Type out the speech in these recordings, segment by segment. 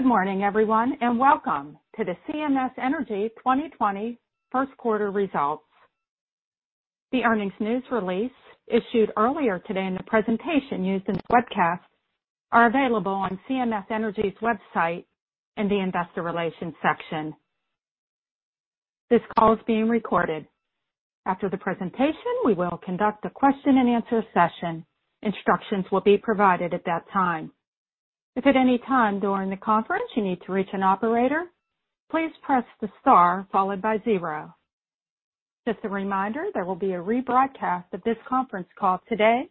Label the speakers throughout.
Speaker 1: Good morning, everyone, and welcome to the CMS Energy 2020 first quarter results. The earnings news release issued earlier today, and the presentation used in this webcast are available on CMS Energy's website in the Investor Relations section. This call is being recorded. After the presentation, we will conduct a question-and-answer session. Instructions will be provided at that time. If at any time during the conference you need to reach an operator, please press the star followed by zero. Just a reminder, there will be a rebroadcast of this conference call today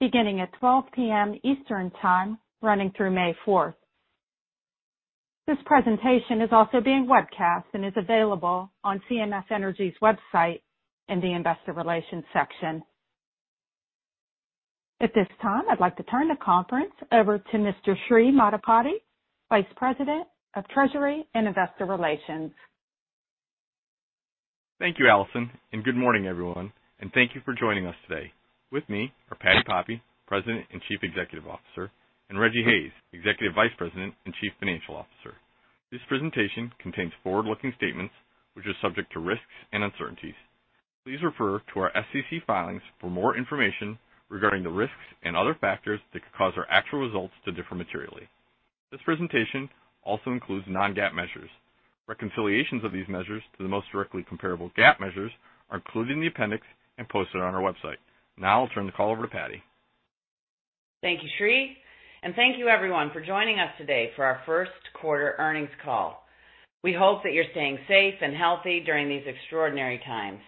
Speaker 1: beginning at 12:00 P.M. Eastern Time, running through May 4th. This presentation is also being webcast and is available on CMS Energy's website in the Investor Relations section. At this time, I'd like to turn the conference over to Mr. Sri Maddipati, Vice President of Treasury and Investor Relations.
Speaker 2: Thank you, Allison, and good morning, everyone, and thank you for joining us today. With me are Patti Poppe, President and Chief Executive Officer, and Rejji Hayes, Executive Vice President and Chief Financial Officer. This presentation contains forward-looking statements which are subject to risks and uncertainties. Please refer to our SEC filings for more information regarding the risks and other factors that could cause our actual results to differ materially. This presentation also includes non-GAAP measures. Reconciliations of these measures to the most directly comparable GAAP measures are included in the appendix and posted on our website. Now I'll turn the call over to Patti.
Speaker 3: Thank you, Sri, and thank you everyone for joining us today for our first quarter earnings call. We hope that you're staying safe and healthy during these extraordinary times.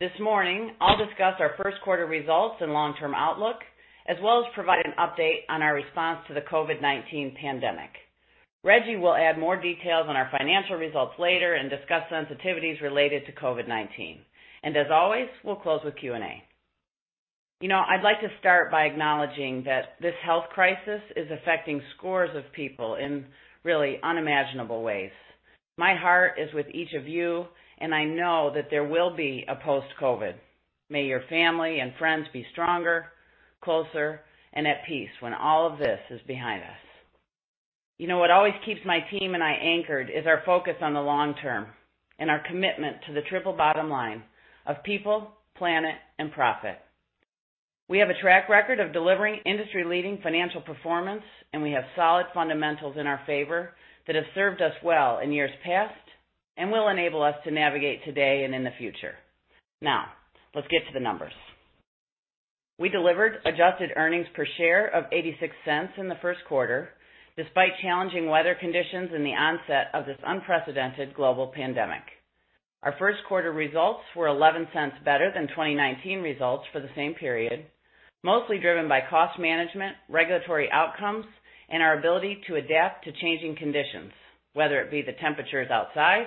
Speaker 3: This morning, I'll discuss our first quarter results and long-term outlook, as well as provide an update on our response to the COVID-19 pandemic. Rejji will add more details on our financial results later and discuss sensitivities related to COVID-19. As always, we'll close with Q&A. I'd like to start by acknowledging that this health crisis is affecting scores of people in really unimaginable ways. My heart is with each of you, and I know that there will be a post-COVID. May your family and friends be stronger, closer, and at peace when all of this is behind us. What always keeps my team and me anchored is our focus on the long term and our commitment to the triple bottom line of people, planet, and profit. We have a track record of delivering industry-leading financial performance, and we have solid fundamentals in our favor that have served us well in years past and will enable us to navigate today and in the future. Let's get to the numbers. We delivered adjusted earnings per share of $0.86 in the first quarter, despite challenging weather conditions and the onset of this unprecedented global pandemic. Our first quarter results were $0.11 better than 2019 results for the same period, mostly driven by cost management, regulatory outcomes, and our ability to adapt to changing conditions, whether it be the temperatures outside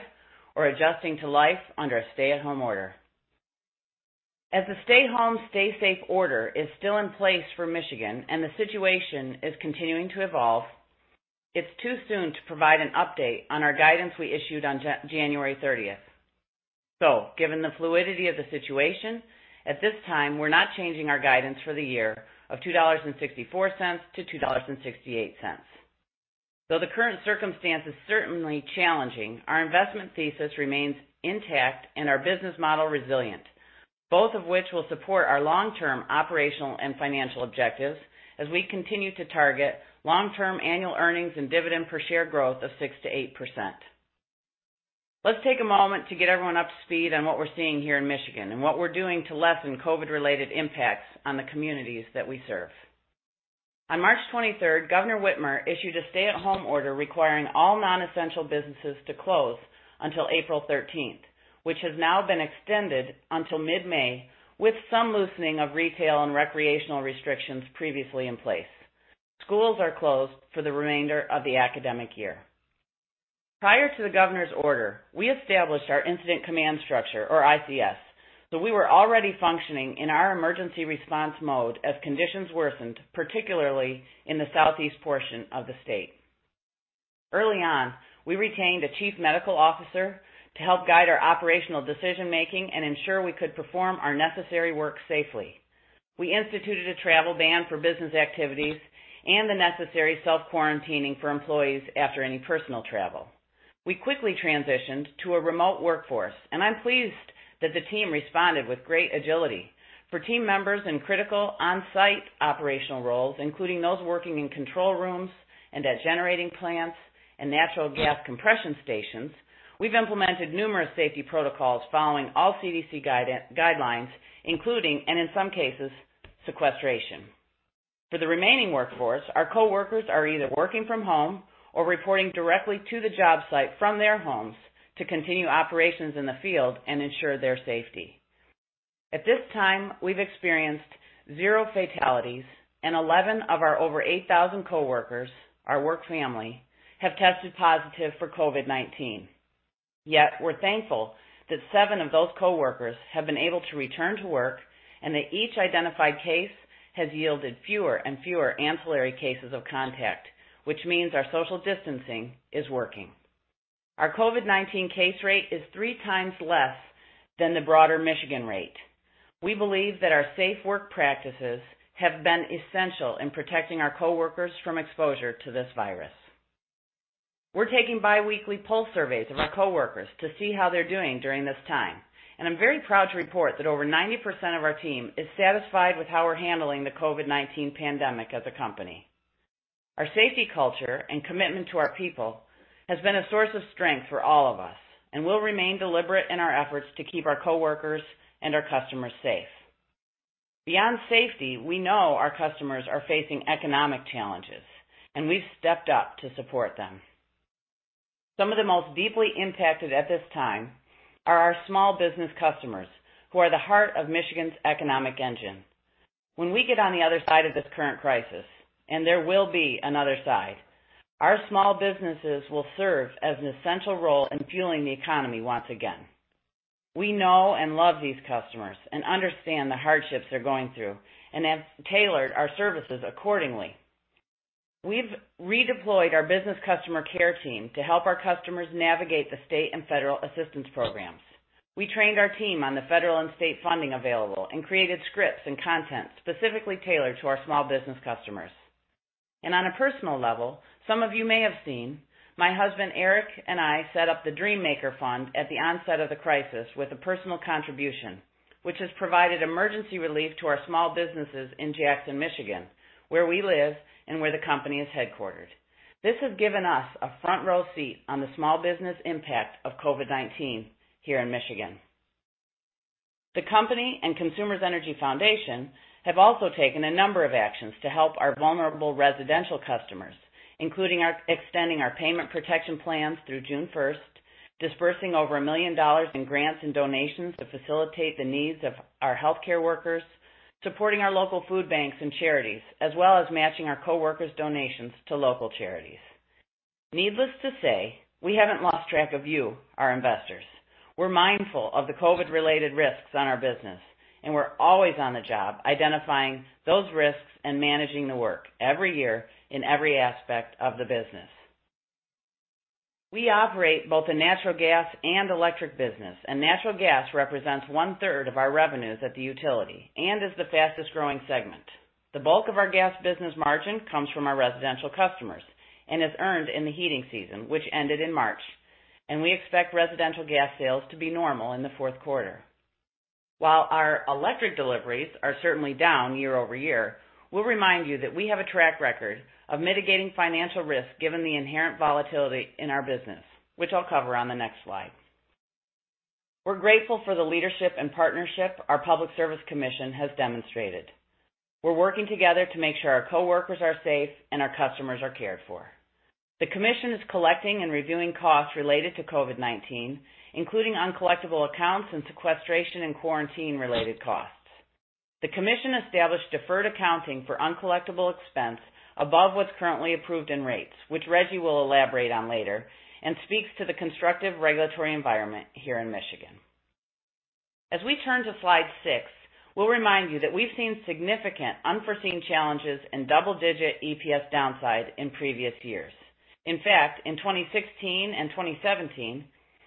Speaker 3: or adjusting to life under a stay-at-home order. As the Stay Home, Stay Safe order is still in place for Michigan and the situation is continuing to evolve, it's too soon to provide an update on our guidance we issued on January 30th. Given the fluidity of the situation, at this time, we're not changing our guidance for the year of $2.64-$2.68. Though the current circumstance is certainly challenging, our investment thesis remains intact and our business model resilient, both of which will support our long-term operational and financial objectives as we continue to target long-term annual earnings and dividend per share growth of 6%-8%. Let's take a moment to get everyone up to speed on what we're seeing here in Michigan and what we're doing to lessen COVID-related impacts on the communities that we serve. On March 23rd, Governor Whitmer issued a stay-at-home order requiring all non-essential businesses to close until April 13th, which has now been extended until mid-May, with some loosening of retail and recreational restrictions previously in place. Schools are closed for the remainder of the academic year. Prior to the Governor's order, we established our Incident Command Structure, or ICS, so we were already functioning in our emergency response mode as conditions worsened, particularly in the southeast portion of the state. Early on, we retained a chief medical officer to help guide our operational decision-making and ensure we could perform our necessary work safely. We instituted a travel ban for business activities and the necessary self-quarantining for employees after any personal travel. We quickly transitioned to a remote workforce, and I'm pleased that the team responded with great agility. For team members in critical on-site operational roles, including those working in control rooms and at generating plants and natural gas compression stations, we've implemented numerous safety protocols following all CDC guidelines, including, and in some cases, sequestration. For the remaining workforce, our coworkers are either working from home or reporting directly to the job site from their homes to continue operations in the field and ensure their safety. At this time, we've experienced zero fatalities and 11 of our over 8,000 coworkers, our work family, have tested positive for COVID-19. We're thankful that seven of those coworkers have been able to return to work and that each identified case has yielded fewer and fewer ancillary cases of contact, which means our social distancing is working. Our COVID-19 case rate is three times less than the broader Michigan rate. We believe that our safe work practices have been essential in protecting our coworkers from exposure to this virus. We're taking biweekly pulse surveys of our coworkers to see how they're doing during this time, and I'm very proud to report that over 90% of our team is satisfied with how we're handling the COVID-19 pandemic as a company. Our safety culture and commitment to our people has been a source of strength for all of us, and we'll remain deliberate in our efforts to keep our coworkers and our customers safe. Beyond safety, we know our customers are facing economic challenges, and we've stepped up to support them. Some of the most deeply impacted at this time are our small business customers, who are the heart of Michigan's economic engine. When we get on the other side of this current crisis, and there will be another side, our small businesses will serve as an essential role in fueling the economy once again. We know and love these customers and understand the hardships they're going through and have tailored our services accordingly. We've redeployed our business customer care team to help our customers navigate the state and federal assistance programs. We trained our team on the federal and state funding available and created scripts and content specifically tailored to our small business customers. On a personal level, some of you may have seen my husband Eric and I set up the Dream Maker Fund at the onset of the crisis with a personal contribution, which has provided emergency relief to our small businesses in Jackson, Michigan, where we live and where the company is headquartered. This has given us a front row seat on the small business impact of COVID-19 here in Michigan. The company and Consumers Energy Foundation have also taken a number of actions to help our vulnerable residential customers, including extending our payment protection plans through June 1st, disbursing over $1 million in grants and donations to facilitate the needs of our healthcare workers, supporting our local food banks and charities, as well as matching our coworkers' donations to local charities. Needless to say, we haven't lost track of you, our investors. We're mindful of the COVID-related risks on our business, and we're always on the job identifying those risks and managing the work, every year, in every aspect of the business. We operate both a natural gas and electric business, and natural gas represents one-third of our revenues at the utility and is the fastest-growing segment. The bulk of our gas business margin comes from our residential customers and is earned in the heating season, which ended in March, and we expect residential gas sales to be normal in the fourth quarter. While our electric deliveries are certainly down year-over-year, we'll remind you that we have a track record of mitigating financial risk given the inherent volatility in our business, which I'll cover on the next slide. We're grateful for the leadership and partnership our Public Service Commission has demonstrated. We're working together to make sure our coworkers are safe and our customers are cared for. The commission is collecting and reviewing costs related to COVID-19, including uncollectible accounts and sequestration and quarantine-related costs. The commission established deferred accounting for uncollectible expense above what's currently approved in rates, which Rejji will elaborate on later, and speaks to the constructive regulatory environment here in Michigan. As we turn to slide six, we'll remind you that we've seen significant unforeseen challenges in double-digit EPS downside in previous years. In fact, in 2016 and 2017,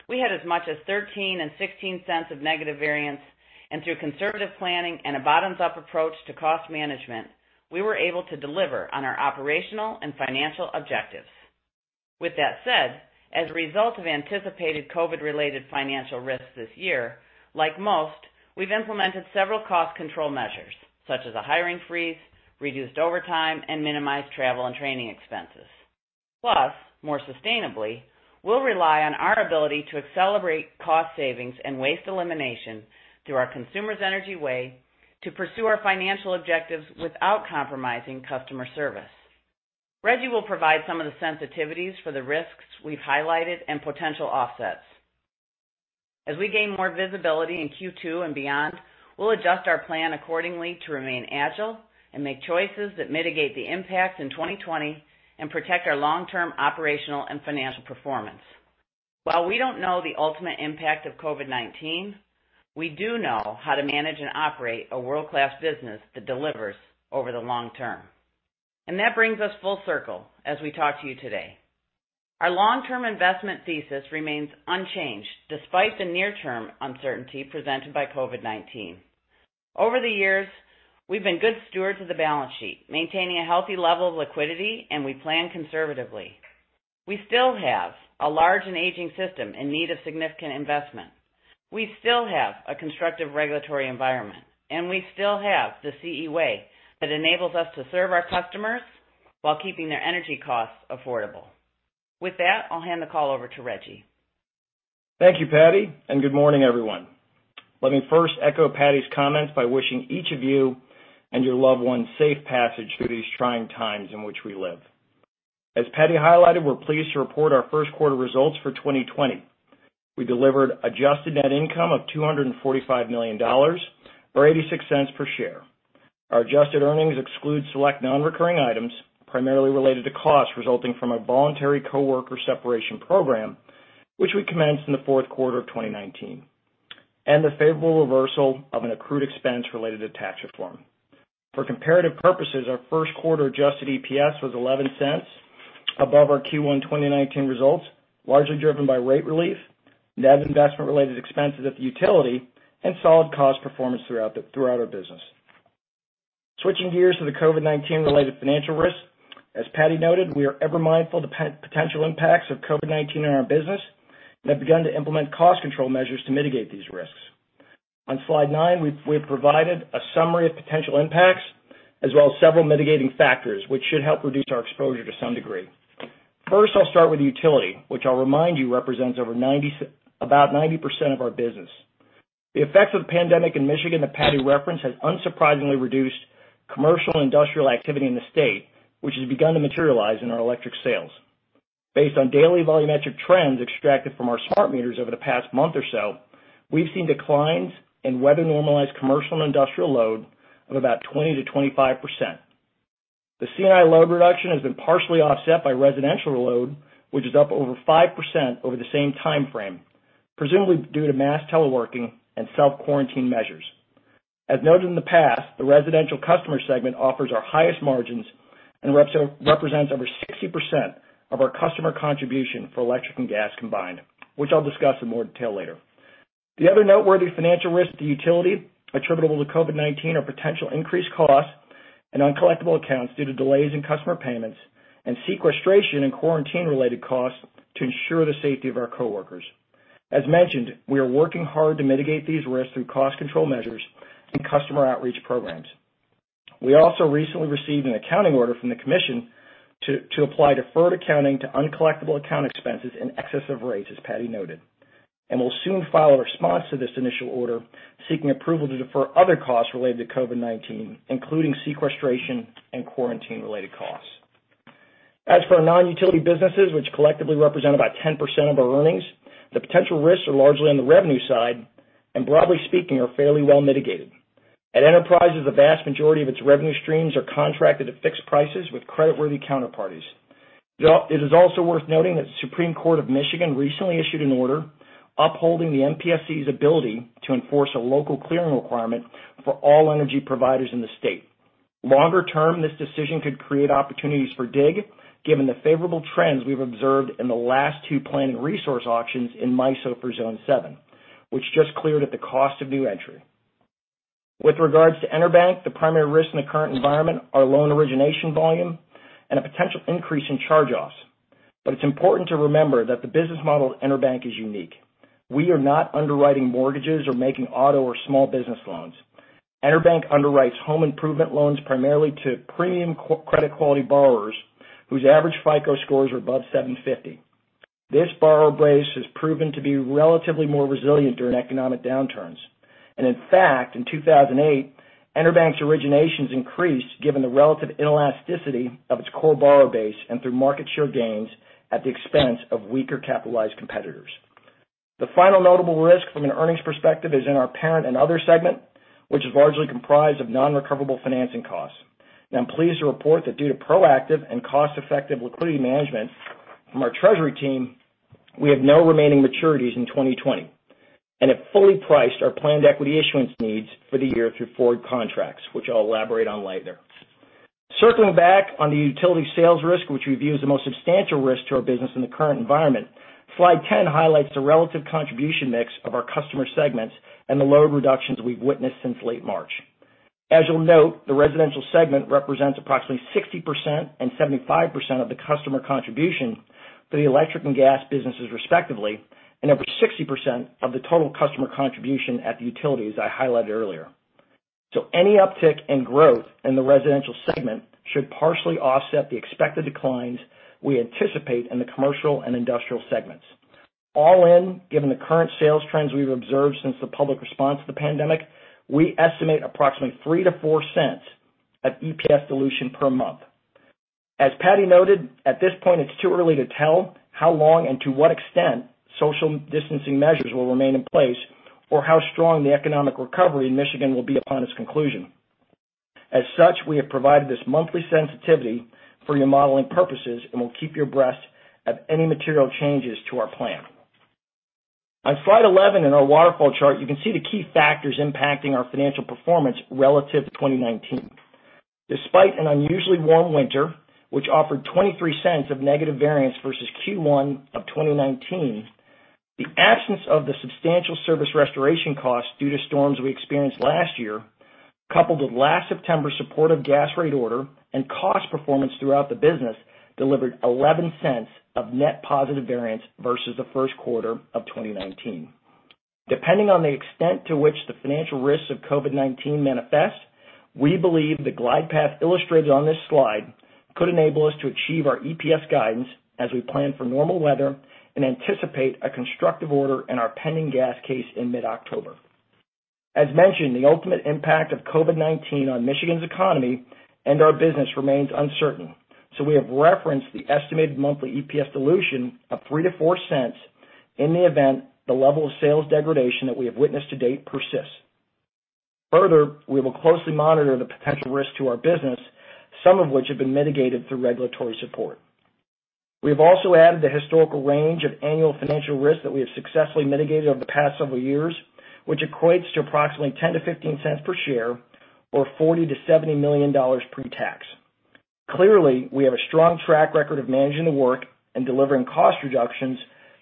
Speaker 3: we had as much as $0.13 and $0.16 of negative variance, and through conservative planning and a bottoms-up approach to cost management, we were able to deliver on our operational and financial objectives. With that said, as a result of anticipated COVID-related financial risks this year, like most, we've implemented several cost control measures, such as a hiring freeze, reduced overtime, and minimized travel and training expenses. Plus, more sustainably, we'll rely on our ability to accelerate cost savings and waste elimination through our Consumers Energy Way to pursue our financial objectives without compromising customer service. Rejji will provide some of the sensitivities for the risks we've highlighted and potential offsets. We gain more visibility in Q2 and beyond, we'll adjust our plan accordingly to remain agile and make choices that mitigate the impact in 2020 and protect our long-term operational and financial performance. While we don't know the ultimate impact of COVID-19, we do know how to manage and operate a world-class business that delivers over the long term. That brings us full circle as we talk to you today. Our long-term investment thesis remains unchanged despite the near-term uncertainty presented by COVID-19. Over the years, we've been good stewards of the balance sheet, maintaining a healthy level of liquidity, and we plan conservatively. We still have a large and aging system in need of significant investment. We still have a constructive regulatory environment, and we still have the CE Way that enables us to serve our customers while keeping their energy costs affordable. With that, I'll hand the call over to Rejji.
Speaker 4: Thank you, Patti, and good morning, everyone. Let me first echo Patti's comments by wishing each of you and your loved ones safe passage through these trying times in which we live. As Patti highlighted, we're pleased to report our first quarter results for 2020. We delivered adjusted net income of $245 million, or $0.86 per share. Our adjusted earnings exclude select non-recurring items, primarily related to costs resulting from a voluntary coworker separation program, which we commenced in the fourth quarter of 2019. The favorable reversal of an accrued expense related to tax reform. For comparative purposes, our first quarter adjusted EPS was $0.11 above our Q1 2019 results, largely driven by rate relief, net investment-related expenses at the utility, and solid cost performance throughout our business. Switching gears to the COVID-19 related financial risks, as Patti noted, we are ever mindful of the potential impacts of COVID-19 on our business and have begun to implement cost control measures to mitigate these risks. On slide nine, we have provided a summary of potential impacts, as well as several mitigating factors which should help reduce our exposure to some degree. First, I'll start with utility, which I'll remind you represents about 90% of our business. The effects of the pandemic in Michigan that Patti referenced has unsurprisingly reduced commercial and industrial activity in the state, which has begun to materialize in our electric sales. Based on daily volumetric trends extracted from our smart meters over the past month or so, we've seen declines in weather-normalized commercial and industrial load of about 20%-25%. The C&I load reduction has been partially offset by residential load, which is up over 5% over the same time frame, presumably due to mass teleworking and self-quarantine measures. As noted in the past, the residential customer segment offers our highest margins and represents over 60% of our customer contribution for electric and gas combined, which I'll discuss in more detail later. The other noteworthy financial risk to utility attributable to COVID-19 are potential increased costs and uncollectible accounts due to delays in customer payments and sequestration and quarantine-related costs to ensure the safety of our coworkers. As mentioned, we are working hard to mitigate these risks through cost control measures and customer outreach programs. We also recently received an accounting order from the commission to apply deferred accounting to uncollectible account expenses in excess of rates, as Patti noted, and will soon file a response to this initial order, seeking approval to defer other costs related to COVID-19, including sequestration and quarantine-related costs. As for our non-utility businesses, which collectively represent about 10% of our earnings, the potential risks are largely on the revenue side, and broadly speaking, are fairly well mitigated. At Enterprises, the vast majority of its revenue streams are contracted at fixed prices with creditworthy counterparties. It is also worth noting that the Michigan Supreme Court recently issued an order upholding the MPSC's ability to enforce a local clearing requirement for all energy providers in the state. Longer term, this decision could create opportunities for DIG, given the favorable trends we've observed in the last two planned resource auctions in MISO for Zone 7, which just cleared at the cost of new entry. With regards to EnerBank, the primary risks in the current environment are loan origination volume and a potential increase in charge-offs. It's important to remember that the business model of EnerBank is unique. We are not underwriting mortgages or making auto or small business loans. EnerBank underwrites home improvement loans primarily to premium credit quality borrowers whose average FICO scores are above 750. This borrower base has proven to be relatively more resilient during economic downturns. In fact, in 2008, EnerBank's originations increased given the relative inelasticity of its core borrower base and through market share gains at the expense of weaker capitalized competitors. The final notable risk from an earnings perspective is in our parent and other segment, which is largely comprised of non-recoverable financing costs. I'm pleased to report that due to proactive and cost-effective liquidity management from our treasury team, we have no remaining maturities in 2020 and have fully priced our planned equity issuance needs for the year through forward contracts, which I'll elaborate on later. Circling back on the utility sales risk, which we view as the most substantial risk to our business in the current environment, slide 10 highlights the relative contribution mix of our customer segments and the load reductions we've witnessed since late March. As you'll note, the residential segment represents approximately 60% and 75% of the customer contribution for the electric and gas businesses, respectively, and over 60% of the total customer contribution at the utility, as I highlighted earlier. Any uptick in growth in the residential segment should partially offset the expected declines we anticipate in the commercial and industrial segments. All in, given the current sales trends we've observed since the public response to the pandemic, we estimate approximately $0.03-$0.04 of EPS dilution per month. As Patti noted, at this point, it's too early to tell how long and to what extent social distancing measures will remain in place or how strong the economic recovery in Michigan will be upon its conclusion. As such, we have provided this monthly sensitivity for your modeling purposes and will keep you abreast of any material changes to our plan. On slide 11 in our waterfall chart, you can see the key factors impacting our financial performance relative to 2019. Despite an unusually warm winter, which offered $0.23 of negative variance versus Q1 of 2019, the absence of the substantial service restoration costs due to storms we experienced last year, coupled with last September's supportive gas rate order and cost performance throughout the business, delivered $0.11 of net positive variance versus the first quarter of 2019. Depending on the extent to which the financial risks of COVID-19 manifest, we believe the glide path illustrated on this slide could enable us to achieve our EPS guidance as we plan for normal weather and anticipate a constructive order in our pending gas case in mid-October. As mentioned, the ultimate impact of COVID-19 on Michigan's economy and our business remains uncertain. We have referenced the estimated monthly EPS dilution of $0.03-$0.04 in the event the level of sales degradation that we have witnessed to date persists. Further, we will closely monitor the potential risk to our business, some of which have been mitigated through regulatory support. We have also added the historical range of annual financial risk that we have successfully mitigated over the past several years, which equates to approximately $0.10-$0.15 per share or $40 million-$70 million pre-tax. Clearly, we have a strong track record of managing the work and delivering cost reductions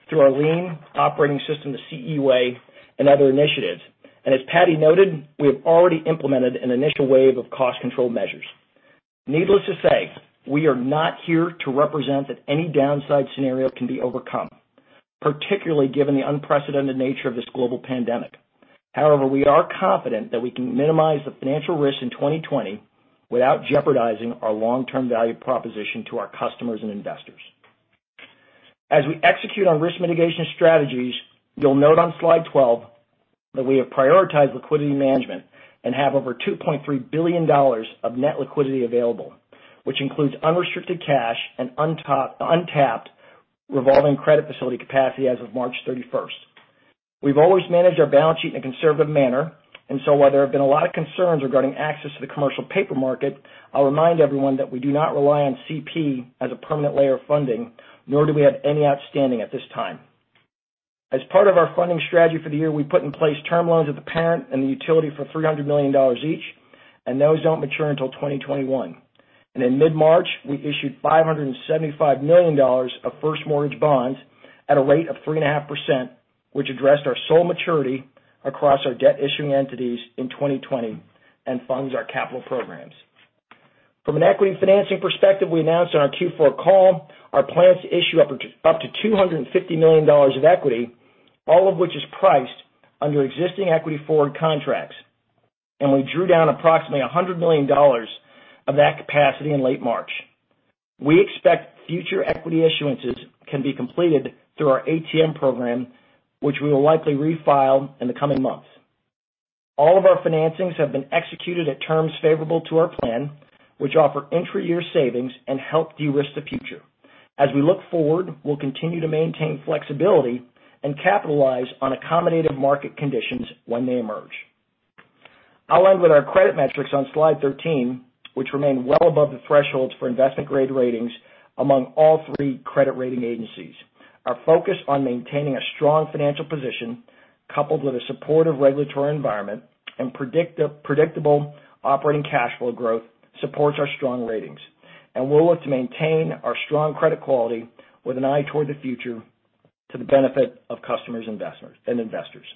Speaker 4: through our lean operating system, the CE Way, and other initiatives. As Patti noted, we have already implemented an initial wave of cost control measures. Needless to say, we are not here to represent that any downside scenario can be overcome, particularly given the unprecedented nature of this global pandemic. We are confident that we can minimize the financial risk in 2020 without jeopardizing our long-term value proposition to our customers and investors. As we execute on risk mitigation strategies, you'll note on slide 12 that we have prioritized liquidity management and have over $2.3 billion of net liquidity available, which includes unrestricted cash and untapped revolving credit facility capacity as of March 31st. We've always managed our balance sheet in a conservative manner, and so while there have been a lot of concerns regarding access to the commercial paper market, I'll remind everyone that we do not rely on CP as a permanent layer of funding, nor do we have any outstanding at this time. As part of our funding strategy for the year, we put in place term loans with the parent and the utility for $300 million each. Those don't mature until 2021. In mid-March, we issued $575 million of first mortgage bonds at a rate of 3.5%, which addressed our sole maturity across our debt-issuing entities in 2020 and funds our capital programs. From an equity and financing perspective, we announced on our Q4 call our plans to issue up to $250 million of equity, all of which is priced under existing equity forward contracts. We drew down approximately $100 million of that capacity in late March. We expect future equity issuances can be completed through our ATM program, which we will likely refile in the coming months. All of our financings have been executed at terms favorable to our plan, which offer intra-year savings and help de-risk the future. As we look forward, we'll continue to maintain flexibility and capitalize on accommodative market conditions when they emerge. I'll end with our credit metrics on slide 13, which remain well above the thresholds for investment-grade ratings among all three credit rating agencies. Our focus on maintaining a strong financial position, coupled with a supportive regulatory environment and predictable operating cash flow growth, supports our strong ratings. We'll look to maintain our strong credit quality with an eye toward the future to the benefit of customers and investors.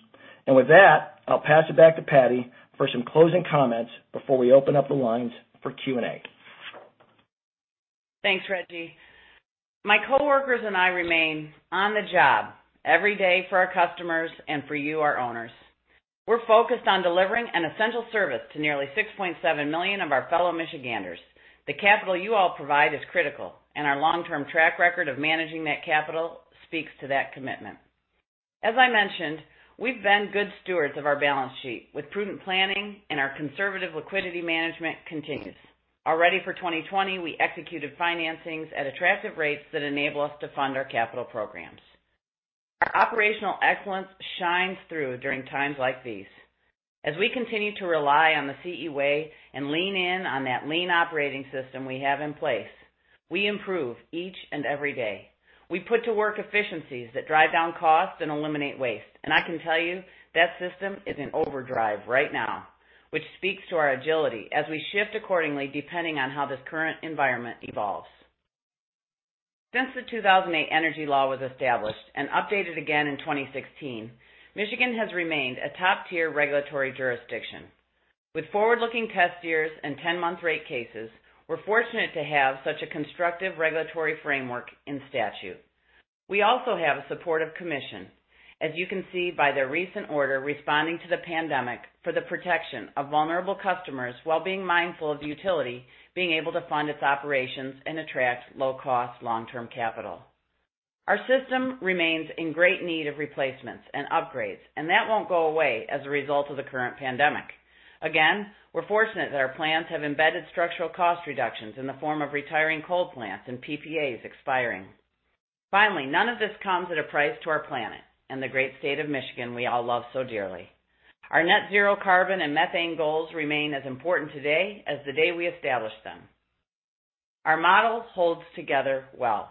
Speaker 4: With that, I'll pass it back to Patti for some closing comments before we open up the lines for Q&A.
Speaker 3: Thanks, Rejji. My coworkers and I remain on the job every day for our customers and for you, our owners. We're focused on delivering an essential service to nearly 6.7 million of our fellow Michiganders. The capital you all provide is critical, and our long-term track record of managing that capital speaks to that commitment. As I mentioned, we've been good stewards of our balance sheet with prudent planning, and our conservative liquidity management continues. Already for 2020, we executed financings at attractive rates that enable us to fund our capital programs. Our operational excellence shines through during times like these. As we continue to rely on the CE Way and lean in on that lean operating system we have in place, we improve each and every day. We put to work efficiencies that drive down costs and eliminate waste. I can tell you that system is in overdrive right now, which speaks to our agility as we shift accordingly depending on how this current environment evolves. Since the 2008 energy law was established and updated again in 2016, Michigan has remained a top-tier regulatory jurisdiction. With forward-looking test years and 10-month rate cases, we're fortunate to have such a constructive regulatory framework in statute. We also have a supportive commission, as you can see by their recent order responding to the pandemic for the protection of vulnerable customers while being mindful of the utility being able to fund its operations and attract low-cost long-term capital. Our system remains in great need of replacements and upgrades, that won't go away as a result of the current pandemic. Again, we're fortunate that our plans have embedded structural cost reductions in the form of retiring coal plants and PPAs expiring. Finally, none of this comes at a price to our planet and the great State of Michigan we all love so dearly. Our net zero carbon and methane goals remain as important today as the day we established them. Our model holds together well.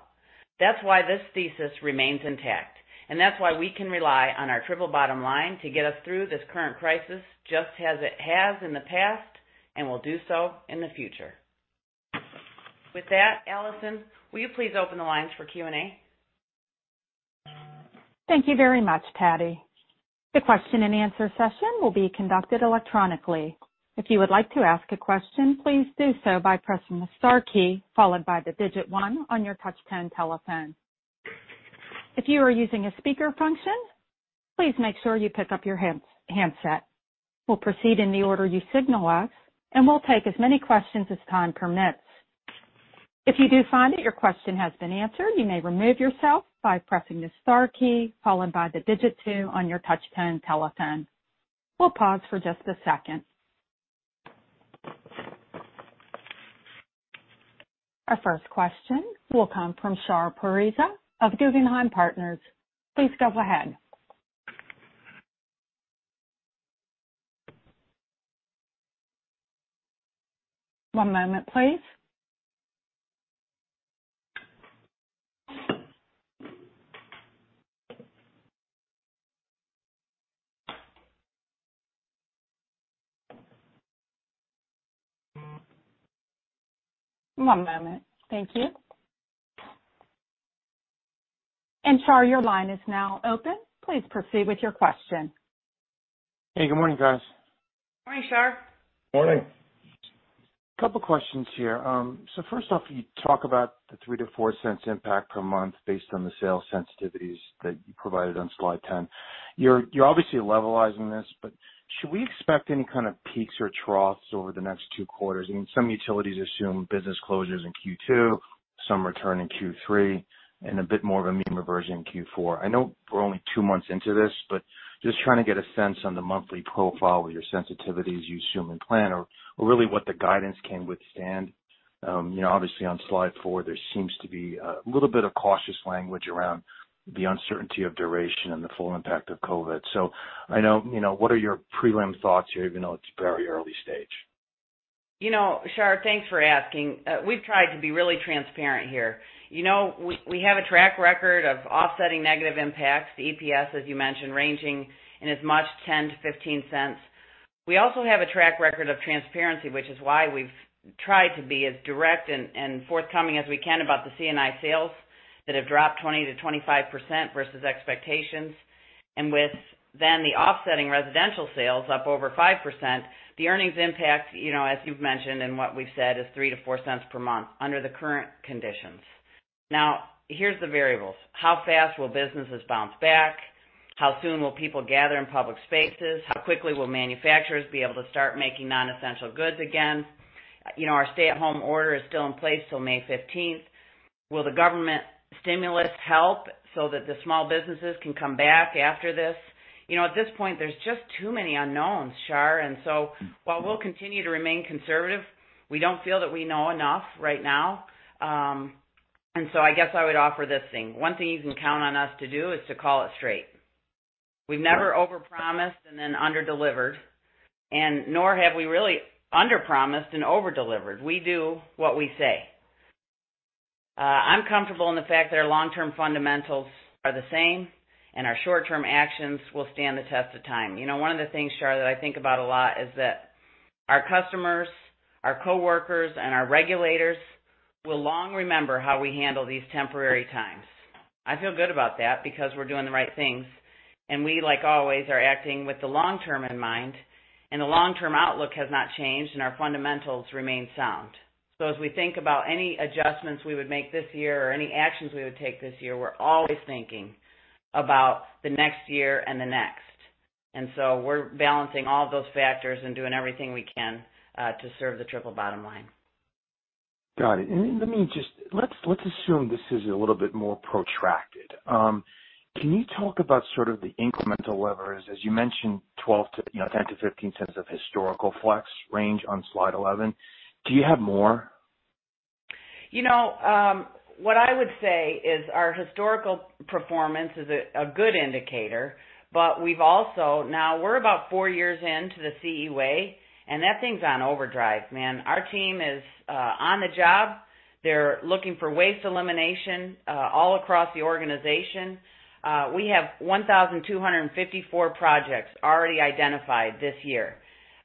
Speaker 3: That's why this thesis remains intact, and that's why we can rely on our triple bottom line to get us through this current crisis, just as it has in the past and will do so in the future. With that, Allison, will you please open the lines for Q&A?
Speaker 1: Thank you very much, Patti. The question-and-answer session will be conducted electronically. If you would like to ask a question, please do so by pressing the star key followed by the digit one on your touch-tone telephone. If you are using a speaker function, please make sure you pick up your handset. We'll proceed in the order you signal us, and we'll take as many questions as time permits. If you do find that your question has been answered, you may remove yourself by pressing the star key followed by the digit two on your touch-tone telephone. We'll pause for just a second. Our first question will come from Shar Pourreza of Guggenheim Partners. Please go ahead. One moment, please. One moment. Thank you. Shar, your line is now open. Please proceed with your question.
Speaker 5: Hey, good morning, guys.
Speaker 3: Morning, Shar.
Speaker 4: Morning.
Speaker 5: Couple questions here. First off, you talk about the $0.03-$0.04 impact per month based on the sales sensitivities that you provided on slide 10. You're obviously levelizing this, but should we expect any kind of peaks or troughs over the next two quarters? I mean, some utilities assume business closures in Q2, some return in Q3, and a bit more of a mean reversion in Q4. I know we're only two months into this, but just trying to get a sense on the monthly profile of your sensitivities you assume and plan or really what the guidance can withstand. Obviously, on slide four, there seems to be a little bit of cautious language around the uncertainty of duration and the full impact of COVID-19. I know, what are your prelim thoughts here, even though it's very early stage?
Speaker 3: Shar, thanks for asking. We've tried to be really transparent here. We have a track record of offsetting negative impacts to EPS, as you mentioned, ranging in as much $0.10-$0.15. We also have a track record of transparency, which is why we've tried to be as direct and forthcoming as we can about the C&I sales that have dropped 20%-25% versus expectations. With then the offsetting residential sales up over 5%, the earnings impact, as you've mentioned and what we've said, is $0.03-$0.04 per month under the current conditions. Here's the variables. How fast will businesses bounce back? How soon will people gather in public spaces? How quickly will manufacturers be able to start making non-essential goods again? Our stay-at-home order is still in place till May 15th. Will the government stimulus help so that the small businesses can come back after this? At this point, there's just too many unknowns, Shar. While we'll continue to remain conservative, we don't feel that we know enough right now. I guess I would offer this thing. One thing you can count on us to do is to call it straight. We've never overpromised and then under-delivered, and nor have we really under-promised and over-delivered. We do what we say. I'm comfortable in the fact that our long-term fundamentals are the same, and our short-term actions will stand the test of time. One of the things, Shar, that I think about a lot is that our customers, our coworkers, and our regulators will long remember how we handle these temporary times. I feel good about that because we're doing the right things, and we, like always, are acting with the long term in mind, and the long-term outlook has not changed, and our fundamentals remain sound. As we think about any adjustments we would make this year or any actions we would take this year, we're always thinking about the next year and the next. We're balancing all of those factors and doing everything we can to serve the triple bottom line.
Speaker 5: Got it. Let's assume this is a little bit more protracted. Can you talk about sort of the incremental levers? As you mentioned, $0.10-$0.15 of historical flex range on slide 11. Do you have more?
Speaker 3: What I would say is our historical performance is a good indicator, but we've also now we're about four years into the CE Way, and that thing's on overdrive, man. Our team is on the job. They're looking for waste elimination all across the organization. We have 1,254 projects already identified this year.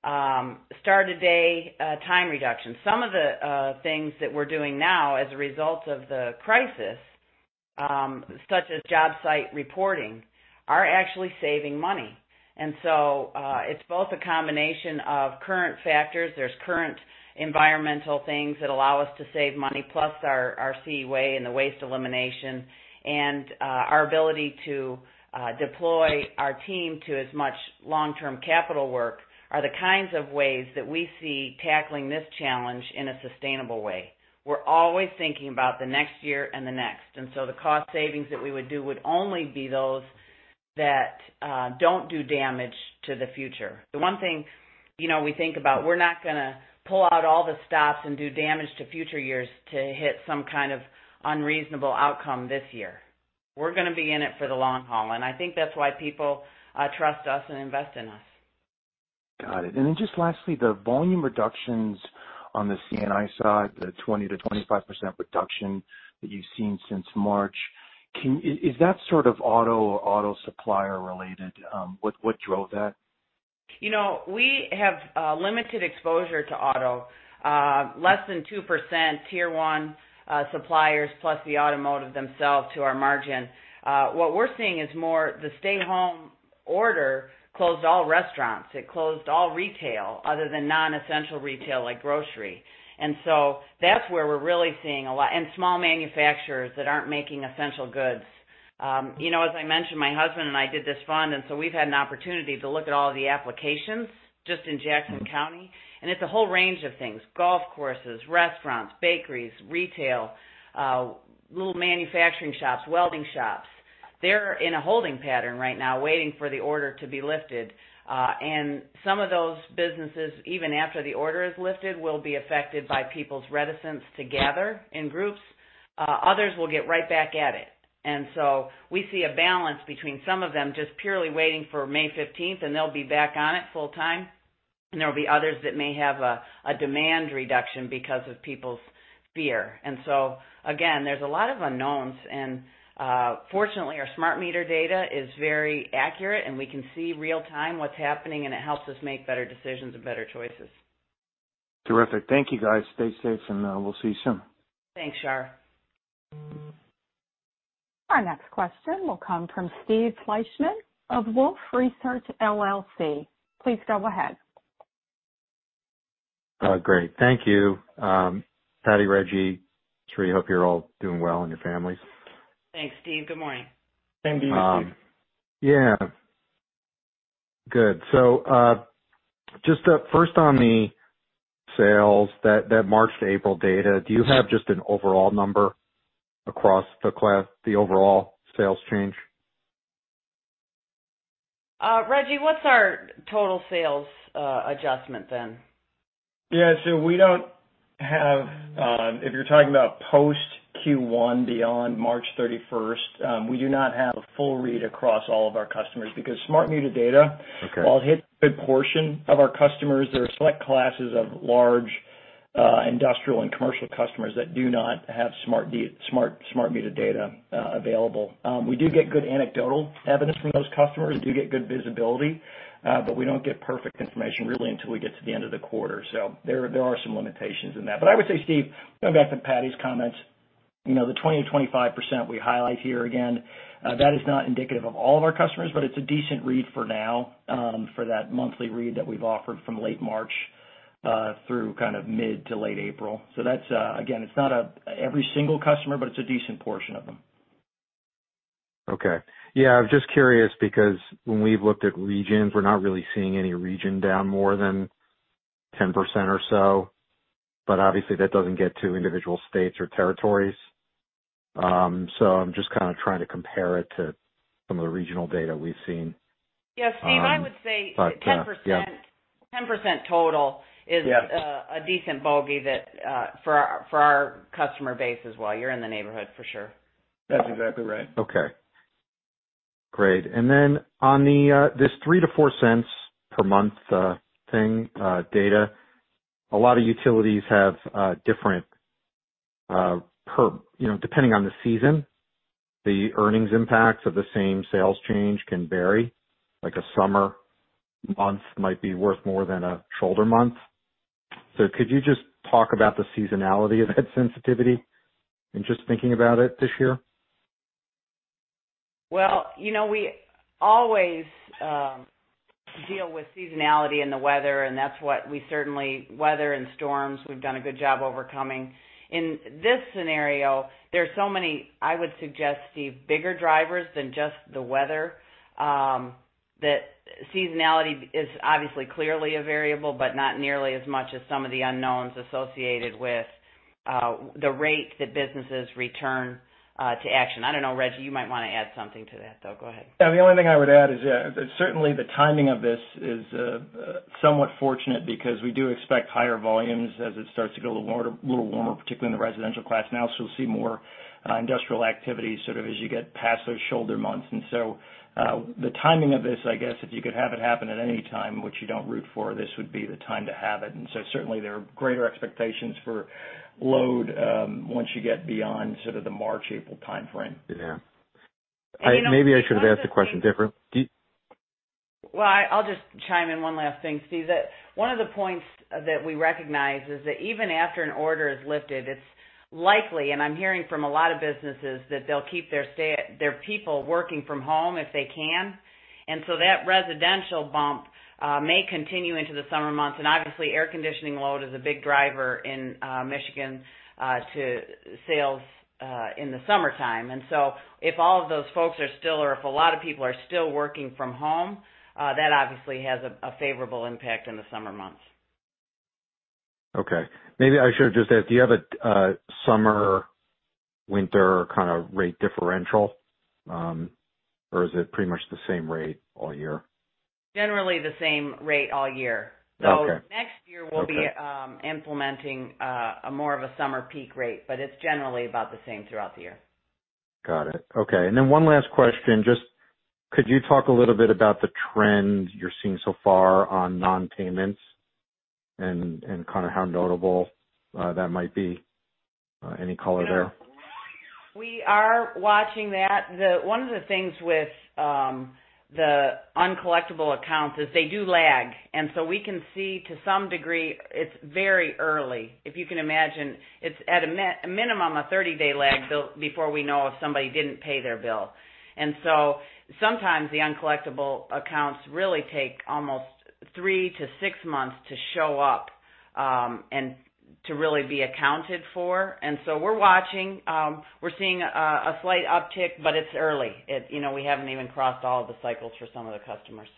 Speaker 3: Start-of-day time reduction. Some of the things that we're doing now as a result of the crisis, such as job site reporting, are actually saving money. It's both a combination of current factors. There's current environmental things that allow us to save money, plus our CE Way and the waste elimination and our ability to deploy our team to as much long-term capital work are the kinds of ways that we see tackling this challenge in a sustainable way. We're always thinking about the next year and the next, and so the cost savings that we would do would only be those that don't do damage to the future. The one thing we think about, we're not going to pull out all the stops and do damage to future years to hit some kind of unreasonable outcome this year. We're going to be in it for the long haul, and I think that's why people trust us and invest in us.
Speaker 5: Got it. Just lastly, the volume reductions on the C&I side, the 20%-25% reduction that you've seen since March, is that sort of auto or auto supplier-related? What drove that?
Speaker 3: We have limited exposure to auto. Less than 2% tier 1 suppliers plus the automotive themselves to our margin. That's where we're really seeing a lot, and small manufacturers that aren't making essential goods. As I mentioned, my husband and I did this fund, we've had an opportunity to look at all the applications just in Jackson County, and it's a whole range of things: golf courses, restaurants, bakeries, retail, little manufacturing shops, welding shops. They're in a holding pattern right now, waiting for the order to be lifted. Some of those businesses, even after the order is lifted, will be affected by people's reticence to gather in groups. Others will get right back at it. We see a balance between some of them just purely waiting for May 15th, and they'll be back on it full time, and there will be others that may have a demand reduction because of people's fear. Again, there's a lot of unknowns, and fortunately, our smart meter data is very accurate, and we can see real time what's happening, and it helps us make better decisions and better choices.
Speaker 5: Terrific. Thank you, guys. Stay safe, and we'll see you soon.
Speaker 3: Thanks, Shar.
Speaker 1: Our next question will come from Steve Fleishman of Wolfe Research, LLC. Please go ahead.
Speaker 6: Great. Thank you. Patti, Rejji, Sri, hope you're all doing well and your families.
Speaker 3: Thanks, Steve. Good morning.
Speaker 4: Same to you, Steve.
Speaker 6: Yeah. Good. Just first on the sales, that March to April data, do you have just an overall number across the overall sales change?
Speaker 3: Rejji, what's our total sales adjustment then?
Speaker 4: Yeah, we don't have, if you're talking about post Q1 beyond March 31st, we do not have a full read across all of our customers because smart meter data.
Speaker 6: Okay
Speaker 4: While it hits a good portion of our customers, there are select classes of large industrial and commercial customers that do not have smart meter data available. We do get good anecdotal evidence from those customers. We do get good visibility. We don't get perfect information really until we get to the end of the quarter. There are some limitations in that. I would say, Steve, going back to Patti's comments, the 20%-25% we highlight here, again, that is not indicative of all of our customers, but it's a decent read for now for that monthly read that we've offered from late March through kind of mid to late April. That's, again, it's not every single customer, but it's a decent portion of them.
Speaker 6: Okay. Yeah, I was just curious because when we've looked at regions, we're not really seeing any region down more than 10% or so. Obviously, that doesn't get to individual states or territories. I'm just kind of trying to compare it to some of the regional data we've seen.
Speaker 3: Yeah, Steve.
Speaker 6: But-
Speaker 3: 10%-
Speaker 6: Yeah
Speaker 3: 10% total is-
Speaker 6: Yeah
Speaker 3: A decent bogey that for our customer base as well. You're in the neighborhood for sure.
Speaker 4: That's exactly right.
Speaker 6: Okay. Great. On this $0.03-$0.04 per month thing, data, a lot of utilities have different, depending on the season, the earnings impacts of the same sales change can vary, like a summer month might be worth more than a shoulder month. Could you just talk about the seasonality of that sensitivity and just thinking about it this year?
Speaker 3: Well, we always deal with seasonality and the weather, and that's what we certainly, weather and storms, we've done a good job overcoming. In this scenario, there are so many, I would suggest, Steve, bigger drivers than just the weather. That seasonality is obviously clearly a variable, but not nearly as much as some of the unknowns associated with the rate that businesses return to action. I don't know, Rejji, you might want to add something to that, though. Go ahead.
Speaker 4: The only thing I would add is that certainly the timing of this is somewhat fortunate because we do expect higher volumes as it starts to get a little warmer, particularly in the residential class now. We'll see more industrial activity sort of as you get past those shoulder months. The timing of this, I guess, if you could have it happen at any time, which you don't root for, this would be the time to have it. Certainly, there are greater expectations for load once you get beyond sort of the March/April timeframe.
Speaker 6: Yeah. Maybe I should have asked the question differently.
Speaker 3: Well, I'll just chime in one last thing, Steve. One of the points that we recognize is that even after an order is lifted, it's likely, and I'm hearing from a lot of businesses, that they'll keep their people working from home if they can. That residential bump may continue into the summer months, and obviously air conditioning load is a big driver in Michigan to sales in the summertime. If all of those folks are still, or if a lot of people are still working from home, that obviously has a favorable impact in the summer months.
Speaker 6: Maybe I should have just asked, do you have a summer/winter kind of rate differential? Or is it pretty much the same rate all year?
Speaker 3: Generally the same rate all year.
Speaker 6: Okay.
Speaker 3: So next year-
Speaker 6: Okay
Speaker 3: We'll be implementing more of a summer peak rate, but it's generally about the same throughout the year.
Speaker 6: Got it. Okay. One last question. Just could you talk a little bit about the trend you're seeing so far on non-payments and kind of how notable that might be? Any color there?
Speaker 3: We are watching that. One of the things with the uncollectible accounts is they do lag, and so we can see to some degree, it's very early. If you can imagine, it's at a minimum a 30-day lag before we know if somebody didn't pay their bill. Sometimes the uncollectible accounts really take almost three to six months to show up and to really be accounted for. We're watching. We're seeing a slight uptick, but it's early. We haven't even crossed all of the cycles for some of the customers.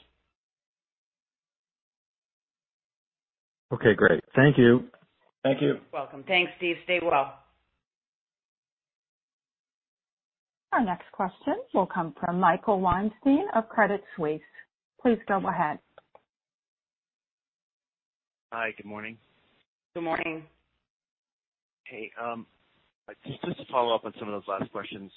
Speaker 6: Okay, great. Thank you.
Speaker 2: Thank you.
Speaker 3: Welcome. Thanks, Steve. Stay well.
Speaker 1: Our next question will come from Michael Weinstein of Credit Suisse. Please go ahead.
Speaker 7: Hi. Good morning.
Speaker 3: Good morning.
Speaker 7: Hey, just to follow up on some of those last questions.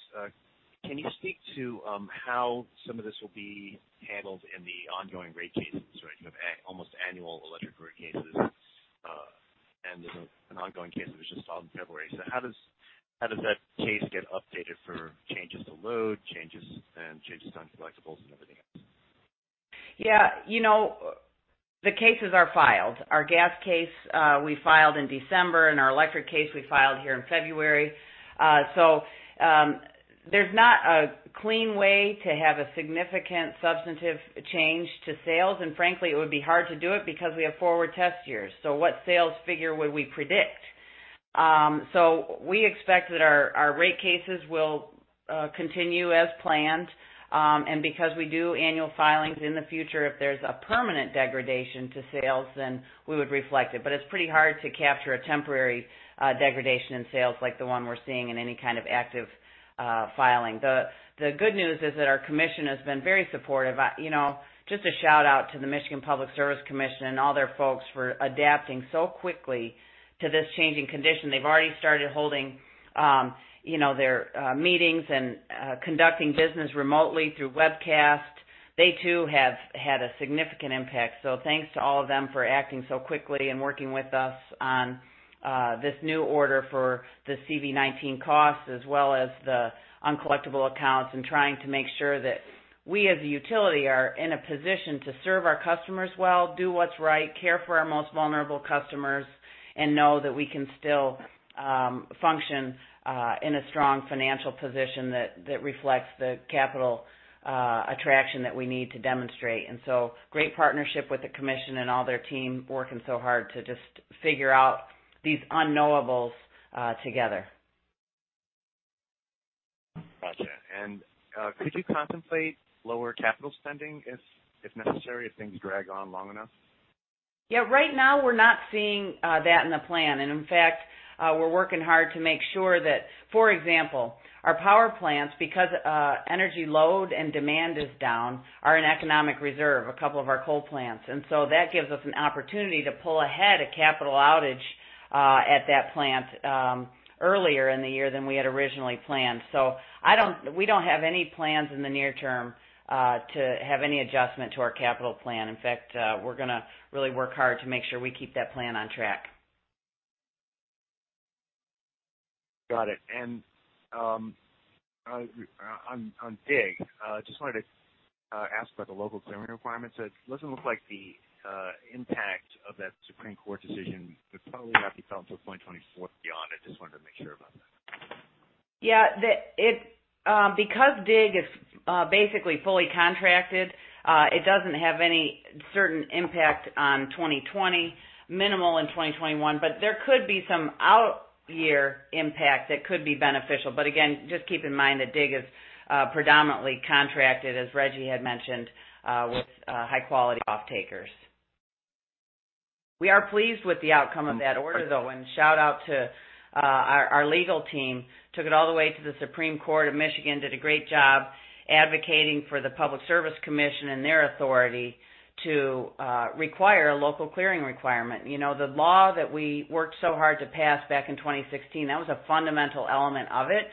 Speaker 7: Can you speak to how some of this will be handled in the ongoing rate cases? You have almost annual electric rate cases, and there's an ongoing case that was just filed in February. How does that case get updated for changes to load and changes to uncollectibles and everything else?
Speaker 3: The cases are filed. Our gas case, we filed in December. Our electric case we filed here in February. There's not a clean way to have a significant substantive change to sales. Frankly, it would be hard to do it because we have forward test years. What sales figure would we predict? We expect that our rate cases will continue as planned. Because we do annual filings in the future, if there's a permanent degradation to sales, we would reflect it. It's pretty hard to capture a temporary degradation in sales like the one we're seeing in any kind of active filing. The good news is that our commission has been very supportive. Just a shout-out to the Michigan Public Service Commission and all their folks for adapting so quickly to this changing condition. They've already started holding their meetings and conducting business remotely through webcast. They too have had a significant impact. Thanks to all of them for acting so quickly and working with us on this new order for the CV-19 costs as well as the uncollectible accounts, and trying to make sure that we, as a utility, are in a position to serve our customers well, do what's right, care for our most vulnerable customers, and know that we can still function in a strong financial position that reflects the capital attraction that we need to demonstrate. Great partnership with the commission and all their team working so hard to just figure out these unknowables together.
Speaker 7: Got you. Could you contemplate lower capital spending if necessary, if things drag on long enough?
Speaker 3: Yeah, right now we're not seeing that in the plan. In fact, we're working hard to make sure that, for example, our power plants, because energy load and demand is down, are in economic reserve, a couple of our coal plants. We don't have any plans in the near term to have any adjustment to our capital plan. In fact, we're going to really work hard to make sure we keep that plan on track.
Speaker 7: Got it. On DIG, just wanted to ask about the local clearing requirements. It doesn't look like the impact of that Supreme Court decision would probably not be felt until 2024 and beyond. I just wanted to make sure about that.
Speaker 3: Because DIG is basically fully contracted, it doesn't have any certain impact on 2020, minimal in 2021, but there could be some out-year impact that could be beneficial. Again, just keep in mind that DIG is predominantly contracted, as Rejji had mentioned, with high-quality off-takers. We are pleased with the outcome of that order, though, and shout-out to our legal team, took it all the way to the Michigan Supreme Court, did a great job advocating for the Michigan Public Service Commission and their authority to require a local clearing requirement. The law that we worked so hard to pass back in 2016, that was a fundamental element of it,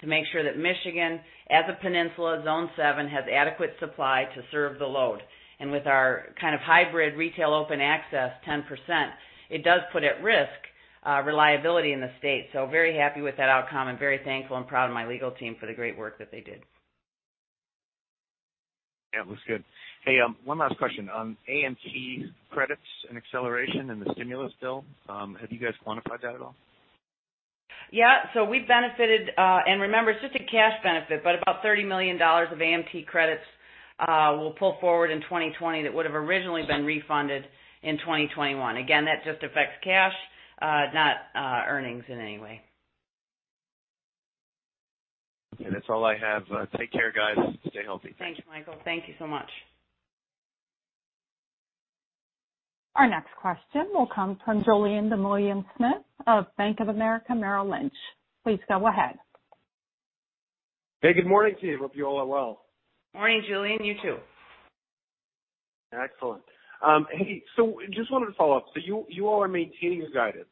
Speaker 3: to make sure that Michigan, as a peninsula, Zone 7, has adequate supply to serve the load. With our kind of hybrid retail open access, 10%, it does put at risk reliability in the state. Very happy with that outcome and very thankful and proud of my legal team for the great work that they did.
Speaker 7: Yeah, it was good. Hey, one last question. AMT credits and acceleration in the stimulus bill, have you guys quantified that at all?
Speaker 3: Yeah. We benefited, and remember, it's just a cash benefit, but about $30 million of AMT credits we'll pull forward in 2020 that would have originally been refunded in 2021. Again, that just affects cash, not earnings in any way.
Speaker 7: Okay, that's all I have. Take care, guys. Stay healthy. Thanks.
Speaker 3: Thanks, Michael. Thank you so much.
Speaker 1: Our next question will come from Julien Dumoulin-Smith of Bank of America Merrill Lynch. Please go ahead.
Speaker 8: Hey, good morning to you. Hope you all are well.
Speaker 3: Morning, Julien. You too.
Speaker 8: Excellent. Hey, just wanted to follow up. You all are maintaining your guidance.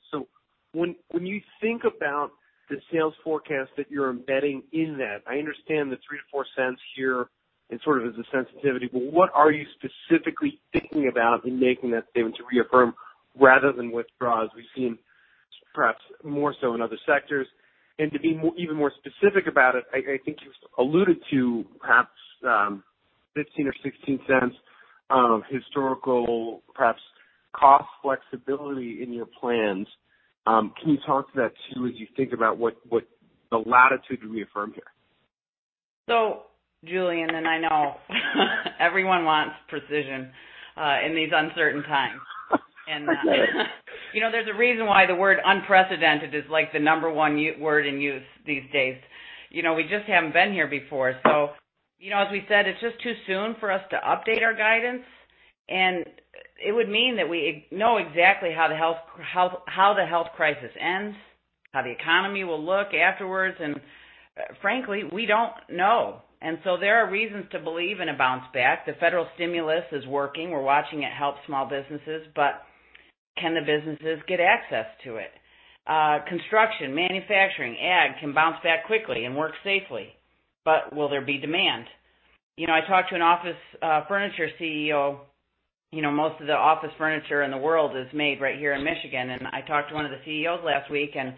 Speaker 8: When you think about the sales forecast that you're embedding in that, I understand the $0.03-$0.04 here is sort of as a sensitivity, but what are you specifically thinking about in making that statement to reaffirm rather than withdraw, as we've seen perhaps more so in other sectors? To be even more specific about it, I think you alluded to perhaps $0.15 or $0.16 of historical perhaps cost flexibility in your plans. Can you talk to that too, as you think about what the latitude to reaffirm here?
Speaker 3: Julien, and I know everyone wants precision in these uncertain times.
Speaker 8: That's right.
Speaker 3: There's a reason why the word unprecedented is the number one word in use these days. We just haven't been here before. As we said, it's just too soon for us to update our guidance, and it would mean that we know exactly how the health crisis ends, how the economy will look afterwards, and frankly, we don't know. There are reasons to believe in a bounce back. The federal stimulus is working. We're watching it help small businesses, but can the businesses get access to it? Construction, manufacturing, ag can bounce back quickly and work safely, but will there be demand? I talked to an office furniture CEO. Most of the office furniture in the world is made right here in Michigan, and I talked to one of the CEOs last week, and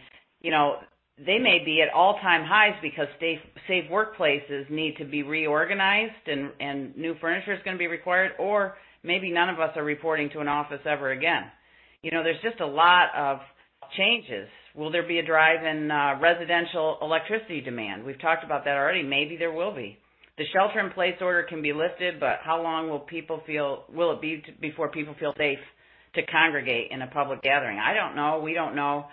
Speaker 3: they may be at all-time highs because safe workplaces need to be reorganized and new furniture is going to be required, or maybe none of us are reporting to an office ever again. There's just a lot of changes. Will there be a drive in residential electricity demand? We've talked about that already. Maybe there will be. The shelter-in-place order can be lifted, but how long will it be before people feel safe to congregate in a public gathering? I don't know. We don't know.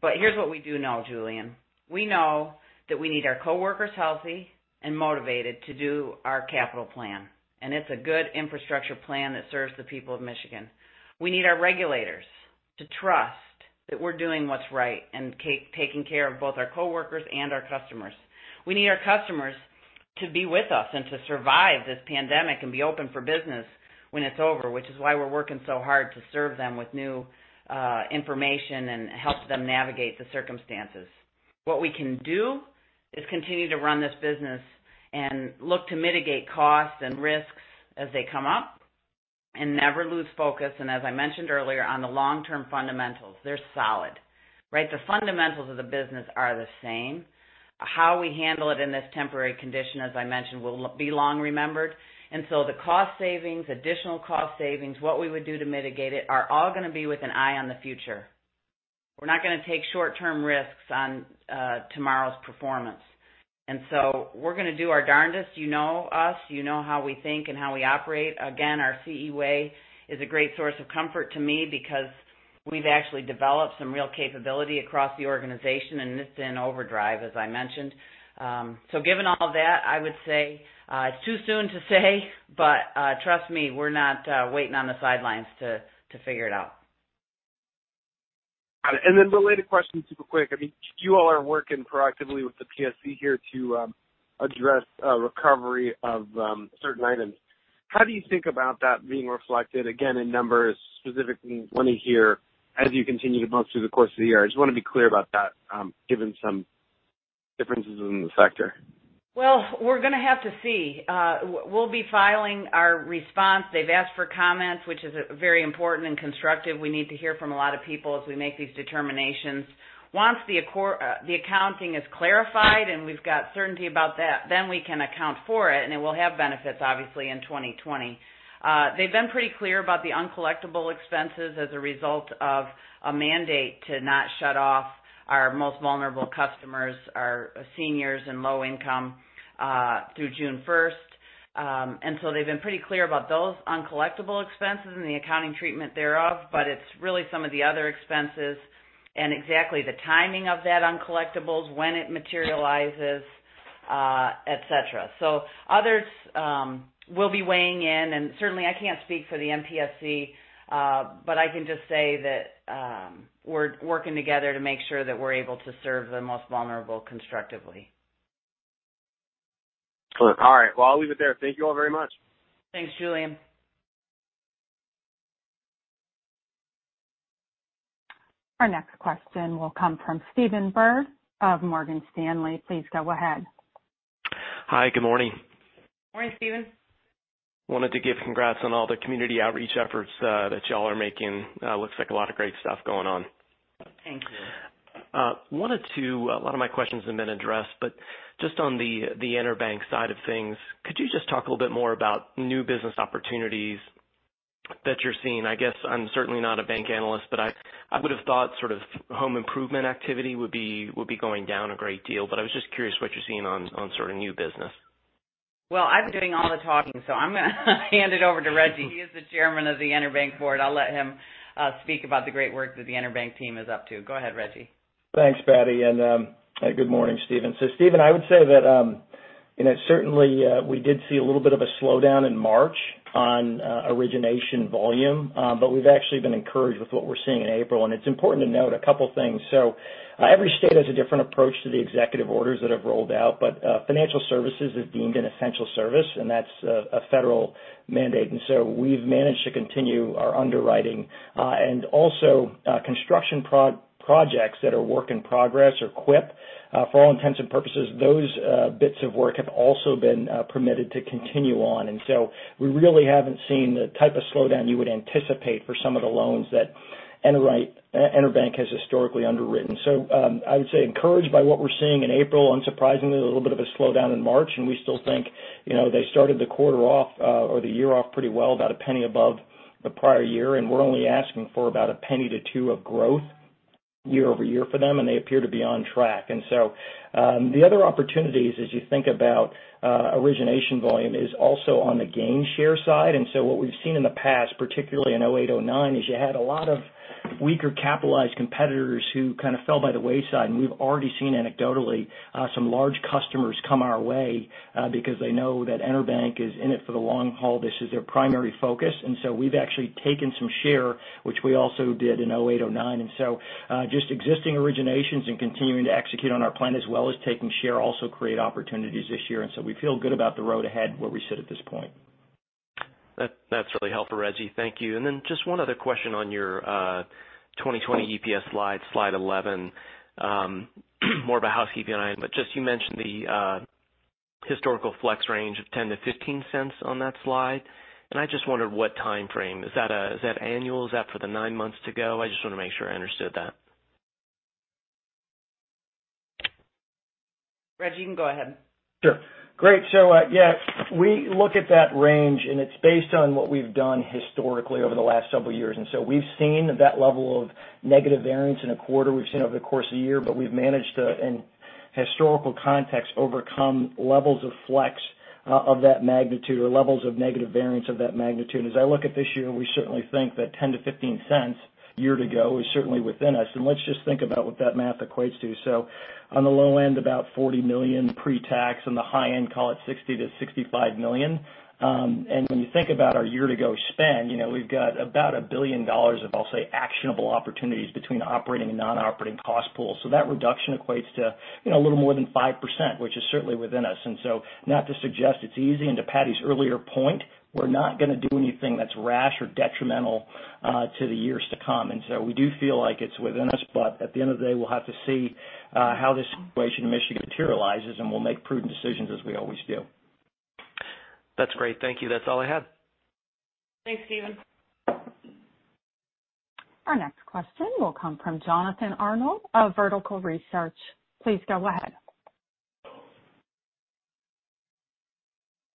Speaker 3: Here's what we do know, Julien. We know that we need our coworkers healthy and motivated to do our capital plan, and it's a good infrastructure plan that serves the people of Michigan. We need our regulators to trust that we're doing what's right and taking care of both our coworkers and our customers. We need our customers to be with us and to survive this pandemic and be open for business when it's over, which is why we're working so hard to serve them with new information and help them navigate the circumstances. What we can do is continue to run this business and look to mitigate costs and risks as they come up and never lose focus, as I mentioned earlier, on the long-term fundamentals. They're solid. The fundamentals of the business are the same. How we handle it in this temporary condition, as I mentioned, will be long remembered. The cost savings, additional cost savings, what we would do to mitigate it, are all going to be with an eye on the future. We're not going to take short-term risks on tomorrow's performance. We're going to do our darndest. You know us. You know how we think and how we operate. Again, our CE Way is a great source of comfort to me because we've actually developed some real capability across the organization, and it's in overdrive, as I mentioned. Given all that, I would say it's too soon to say, but trust me, we're not waiting on the sidelines to figure it out.
Speaker 8: Related question, super quick. You all are working proactively with the PSC here to address recovery of certain items. How do you think about that being reflected, again, in numbers, specifically want to hear as you continue to month through the course of the year? I just want to be clear about that, given some differences in the sector.
Speaker 3: Well, we're going to have to see. We'll be filing our response. They've asked for comments, which is very important and constructive. We need to hear from a lot of people as we make these determinations. Once the accounting is clarified and we've got certainty about that, then we can account for it, and it will have benefits, obviously, in 2020. They've been pretty clear about the uncollectible expenses as a result of a mandate to not shut off our most vulnerable customers, our seniors and low income, through June 1st. They've been pretty clear about those uncollectible expenses and the accounting treatment thereof, but it's really some of the other expenses and exactly the timing of that uncollectibles, when it materializes, et cetera. Others will be weighing in, and certainly I can't speak for the MPSC, but I can just say that we're working together to make sure that we're able to serve the most vulnerable constructively.
Speaker 8: All right. Well, I'll leave it there. Thank you all very much.
Speaker 3: Thanks, Julien.
Speaker 1: Our next question will come from Stephen Byrd of Morgan Stanley. Please go ahead.
Speaker 9: Hi. Good morning.
Speaker 3: Morning, Stephen.
Speaker 9: Wanted to give congrats on all the community outreach efforts that y'all are making. Looks like a lot of great stuff going on.
Speaker 3: Thank you.
Speaker 9: A lot of my questions have been addressed, but just on the EnerBank side of things, could you just talk a little bit more about new business opportunities that you're seeing? I guess I'm certainly not a bank analyst, but I would have thought home improvement activity would be going down a great deal, but I was just curious what you're seeing on sort of new business.
Speaker 3: I've been doing all the talking, so I'm going to hand it over to Rejji. He is the chairman of the EnerBank board. I'll let him speak about the great work that the EnerBank team is up to. Go ahead, Rejji.
Speaker 4: Thanks, Patti, and good morning, Stephen. Stephen, I would say that certainly, we did see a little bit of a slowdown in March on origination volume, but we've actually been encouraged with what we're seeing in April, and it's important to note a couple things. Every state has a different approach to the executive orders that have rolled out, but financial services is deemed an essential service, and that's a federal mandate. We've managed to continue our underwriting, and also, construction projects that are work in progress or CWIP. For all intents and purposes, those bits of work have also been permitted to continue on. We really haven't seen the type of slowdown you would anticipate for some of the loans that EnerBank has historically underwritten. I would say encouraged by what we're seeing in April, unsurprisingly, a little bit of a slowdown in March, and we still think they started the quarter off or the year off pretty well, about $0.01 above the prior year, and we're only asking for about $0.01-$0.02 of growth year-over-year for them, and they appear to be on track. The other opportunities as you think about origination volume is also on the gain share side. What we've seen in the past, particularly in 2008/2009, is you had a lot of weaker capitalized competitors who kind of fell by the wayside, and we've already seen anecdotally, some large customers come our way because they know that EnerBank is in it for the long haul. This is their primary focus. We've actually taken some share, which we also did in 2008/2009. Just existing originations and continuing to execute on our plan as well as taking share also create opportunities this year. We feel good about the road ahead where we sit at this point.
Speaker 9: That really helped, Rejji. Thank you. Then just one other question on your 2020 EPS slide 11. More of a housekeeping item, but just you mentioned the historical flex range of $0.10-$0.15 on that slide. I just wondered what timeframe. Is that annual? Is that for the nine months to go? I just want to make sure I understood that.
Speaker 3: Rejji, you can go ahead.
Speaker 4: Sure. Great. Yeah, we look at that range, it's based on what we've done historically over the last several years. We've seen that level of negative variance in a quarter. We've seen it over the course of a year, we've managed to, in historical context, overcome levels of flex of that magnitude or levels of negative variance of that magnitude. As I look at this year, we certainly think that $0.10-$0.15 year-to-go is certainly within us. Let's just think about what that math equates to. On the low end, about $40 million pre-tax, on the high end, call it $60 million-$65 million. When you think about our year-to-go spend, we've got about $1 billion of, I'll say, actionable opportunities between operating and non-operating cost pools. That reduction equates to a little more than 5%, which is certainly within us. Not to suggest it's easy, and to Patti's earlier point, we're not going to do anything that's rash or detrimental to the years to come. We do feel like it's within us, but at the end of the day, we'll have to see how this situation in Michigan materializes, and we'll make prudent decisions as we always do.
Speaker 9: That's great. Thank you. That's all I had.
Speaker 3: Thanks, Stephen.
Speaker 1: Our next question will come from Jonathan Arnold of Vertical Research. Please go ahead.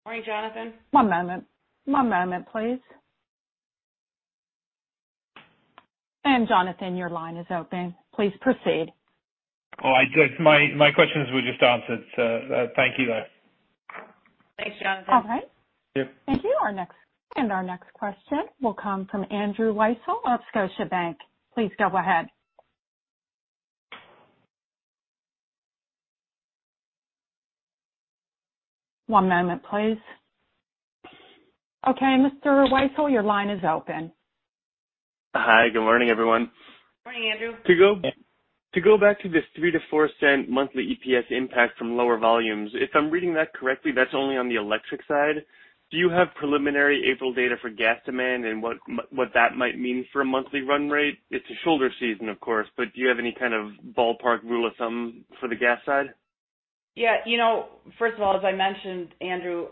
Speaker 3: Morning, Jonathan.
Speaker 1: One moment. One moment, please. Jonathan, your line is open. Please proceed.
Speaker 10: Oh, my questions were just answered, so thank you.
Speaker 3: Thanks, Jonathan.
Speaker 1: All right.
Speaker 10: Yep.
Speaker 1: Thank you. Our next question will come from Andrew Weisel of Scotiabank. Please go ahead. One moment, please. Okay, Mr. Weisel, your line is open.
Speaker 11: Hi. Good morning, everyone.
Speaker 3: Morning, Andrew.
Speaker 11: To go back to this $0.03-$0.04 monthly EPS impact from lower volumes, if I'm reading that correctly, that's only on the electric side. Do you have preliminary April data for gas demand and what that might mean for a monthly run rate? It's a shoulder season, of course, but do you have any kind of ballpark rule of thumb for the gas side?
Speaker 3: Yeah. First of all, as I mentioned, Andrew,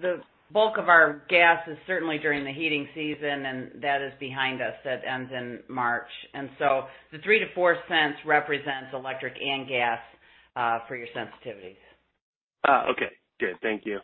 Speaker 3: the bulk of our gas is certainly during the heating season, and that is behind us. That ends in March. The $0.03-$0.04 represents electric and gas for your sensitivities.
Speaker 11: Okay, good. Thank you.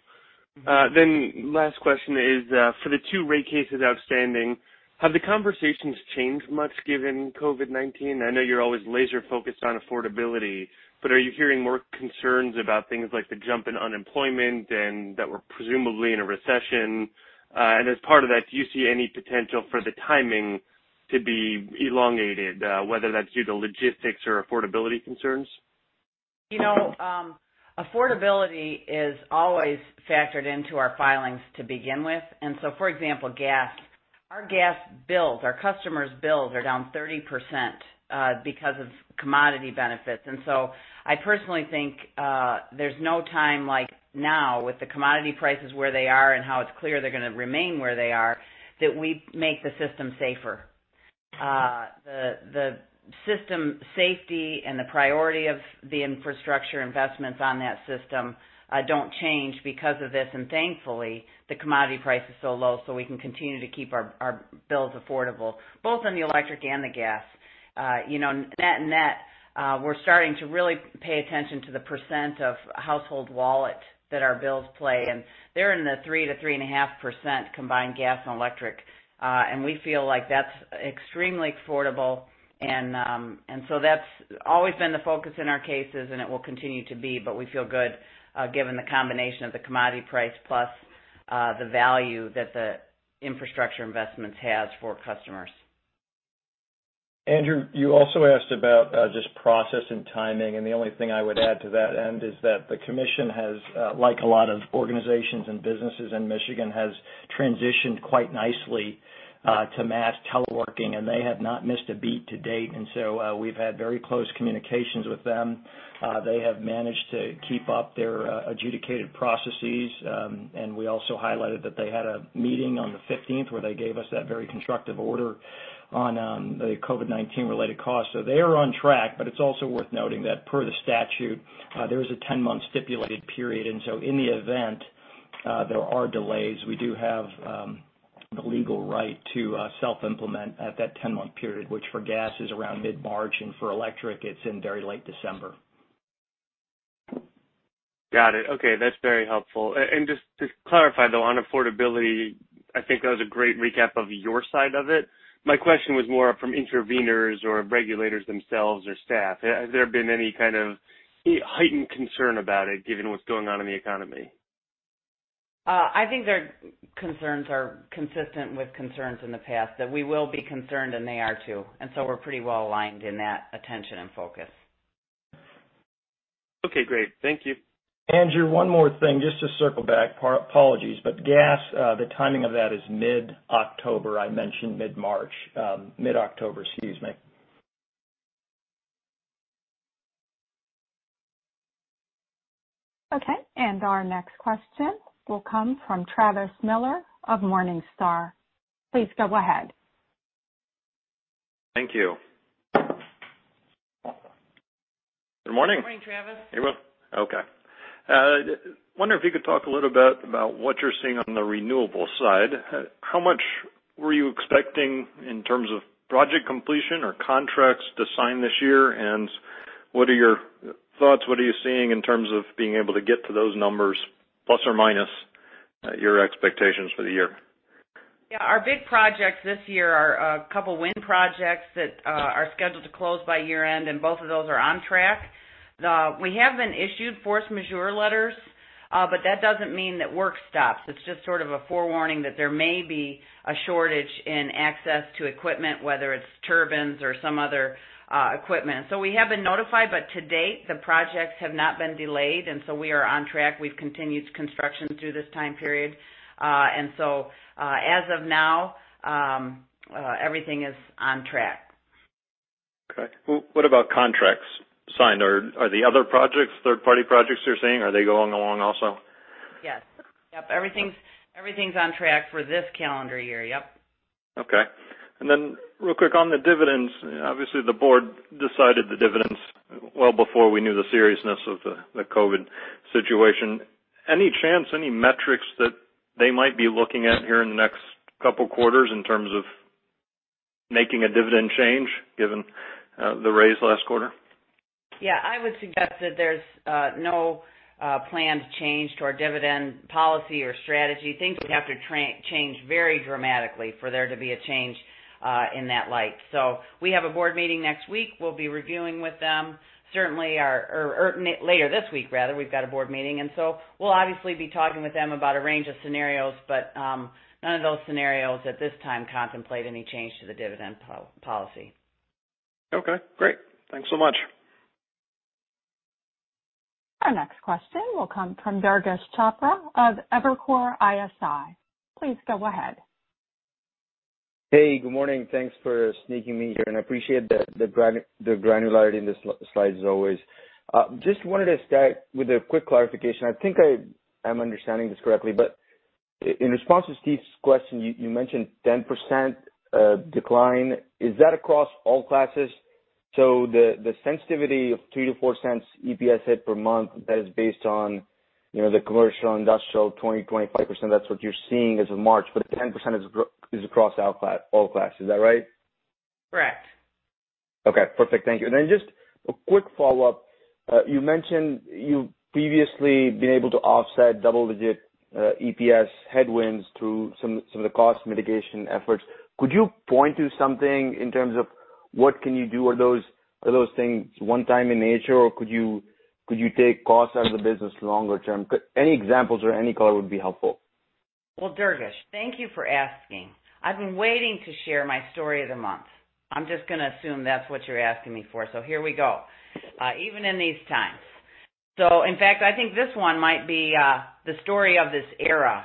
Speaker 11: Last question is, for the two rate cases outstanding, have the conversations changed much given COVID-19? I know you're always laser-focused on affordability, but are you hearing more concerns about things like the jump in unemployment and that we're presumably in a recession? As part of that, do you see any potential for the timing to be elongated, whether that's due to logistics or affordability concerns?
Speaker 3: Affordability is always factored into our filings to begin with. For example, gas. Our gas bills, our customers' bills are down 30% because of commodity benefits. I personally think there's no time like now with the commodity prices where they are and how it's clear they're going to remain where they are, that we make the system safer. The system safety and the priority of the infrastructure investments on that system don't change because of this. Thankfully, the commodity price is so low, so we can continue to keep our bills affordable, both on the electric and the gas. Net, we're starting to really pay attention to the percent of household wallet that our bills play, and they're in the 3%-3.5% combined gas and electric. We feel like that's extremely affordable. That's always been the focus in our cases, and it will continue to be, but we feel good given the combination of the commodity price plus the value that the infrastructure investments has for customers.
Speaker 4: Andrew, you also asked about just process and timing, and the only thing I would add to that end is that the commission has, like a lot of organizations and businesses in Michigan, has transitioned quite nicely to mass teleworking, and they have not missed a beat to date. We've had very close communications with them. They have managed to keep up their adjudicated processes. We also highlighted that they had a meeting on the 15th where they gave us that very constructive order on the COVID-19 related costs. They are on track, but it's also worth noting that per the statute, there is a 10-month stipulated period. In the event there are delays, we do have the legal right to self-implement at that 10-month period, which for gas is around mid-March, and for electric, it's in very late December.
Speaker 11: Got it. Okay, that's very helpful. Just to clarify, though, on affordability, I think that was a great recap of your side of it. My question was more from interveners or regulators themselves or staff. Has there been any kind of heightened concern about it given what's going on in the economy?
Speaker 3: I think their concerns are consistent with concerns in the past, that we will be concerned, and they are too. We're pretty well-aligned in that attention and focus.
Speaker 11: Okay, great. Thank you.
Speaker 4: Andrew, one more thing, just to circle back. Apologies, but gas, the timing of that is mid-October. I mentioned mid-March. Mid-October, excuse me.
Speaker 1: Okay. Our next question will come from Travis Miller of Morningstar. Please go ahead.
Speaker 12: Thank you. Good morning.
Speaker 3: Good morning, Travis.
Speaker 12: You're welcome. Okay. Wonder if you could talk a little bit about what you're seeing on the renewable side? How much were you expecting in terms of project completion or contracts to sign this year, and what are your thoughts? What are you seeing in terms of being able to get to those numbers, plus or minus your expectations for the year?
Speaker 3: Our big projects this year are a couple wind projects that are scheduled to close by year-end, and both of those are on track. We have been issued force majeure letters, but that doesn't mean that work stops. It's just sort of a forewarning that there may be a shortage in access to equipment, whether it's turbines or some other equipment. We have been notified, but to date, the projects have not been delayed, and so we are on track. We've continued construction through this time period. As of now, everything is on track.
Speaker 12: Okay. What about contracts signed? Are the other projects, third-party projects you're saying, are they going along also?
Speaker 3: Yes. Everything's on track for this calendar year. Yep.
Speaker 12: Okay. Real quick on the dividends, obviously the board decided the dividends well before we knew the seriousness of the COVID situation. Any chance, any metrics that they might be looking at here in the next couple quarters in terms of making a dividend change given the raise last quarter?
Speaker 3: Yeah. I would suggest that there's no planned change to our dividend policy or strategy. Things would have to change very dramatically for there to be a change in that light. We have a board meeting next week. We'll be reviewing with them. Certainly, later this week rather, we've got a board meeting, we'll obviously be talking with them about a range of scenarios, none of those scenarios at this time contemplate any change to the dividend policy.
Speaker 12: Okay, great. Thanks so much.
Speaker 1: Our next question will come from Durgesh Chopra of Evercore ISI. Please go ahead.
Speaker 13: Hey, good morning. Thanks for sneaking me here, and I appreciate the granularity in the slides as always. Just wanted to start with a quick clarification. I think I am understanding this correctly. In response to Steve's question, you mentioned 10% decline. Is that across all classes? The sensitivity of $0.03-$0.04 EPS hit per month, that is based on the commercial industrial 20%-25%. That's what you're seeing as of March. The 10% is across all classes. Is that right?
Speaker 3: Correct.
Speaker 13: Okay, perfect. Thank you. Then just a quick follow-up. You mentioned you've previously been able to offset double-digit EPS headwinds through some of the cost mitigation efforts. Could you point to something in terms of what can you do? Are those things one time in nature, or could you take costs out of the business longer term? Any examples or any color would be helpful?
Speaker 3: Durgesh, thank you for asking. I've been waiting to share my story of the month. I'm just going to assume that's what you're asking me for. Here we go. Even in these times. In fact, I think this one might be the story of this era.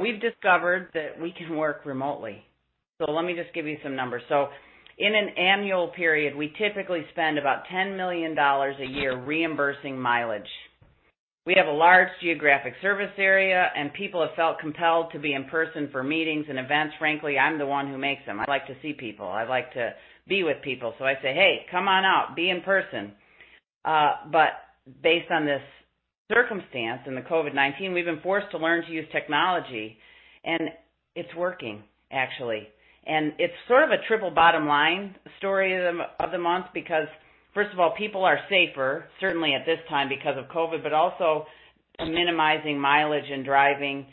Speaker 3: We've discovered that we can work remotely. Let me just give you some numbers. In an annual period, we typically spend about $10 million a year reimbursing mileage. We have a large geographic service area, and people have felt compelled to be in person for meetings and events. Frankly, I'm the one who makes them. I like to see people. I like to be with people. I say, "Hey, come on out. Be in person." Based on this circumstance and the COVID-19, we've been forced to learn to use technology, and it's working, actually. It's sort of a triple bottom line story of the month because first of all, people are safer, certainly at this time because of COVID, but also minimizing mileage and driving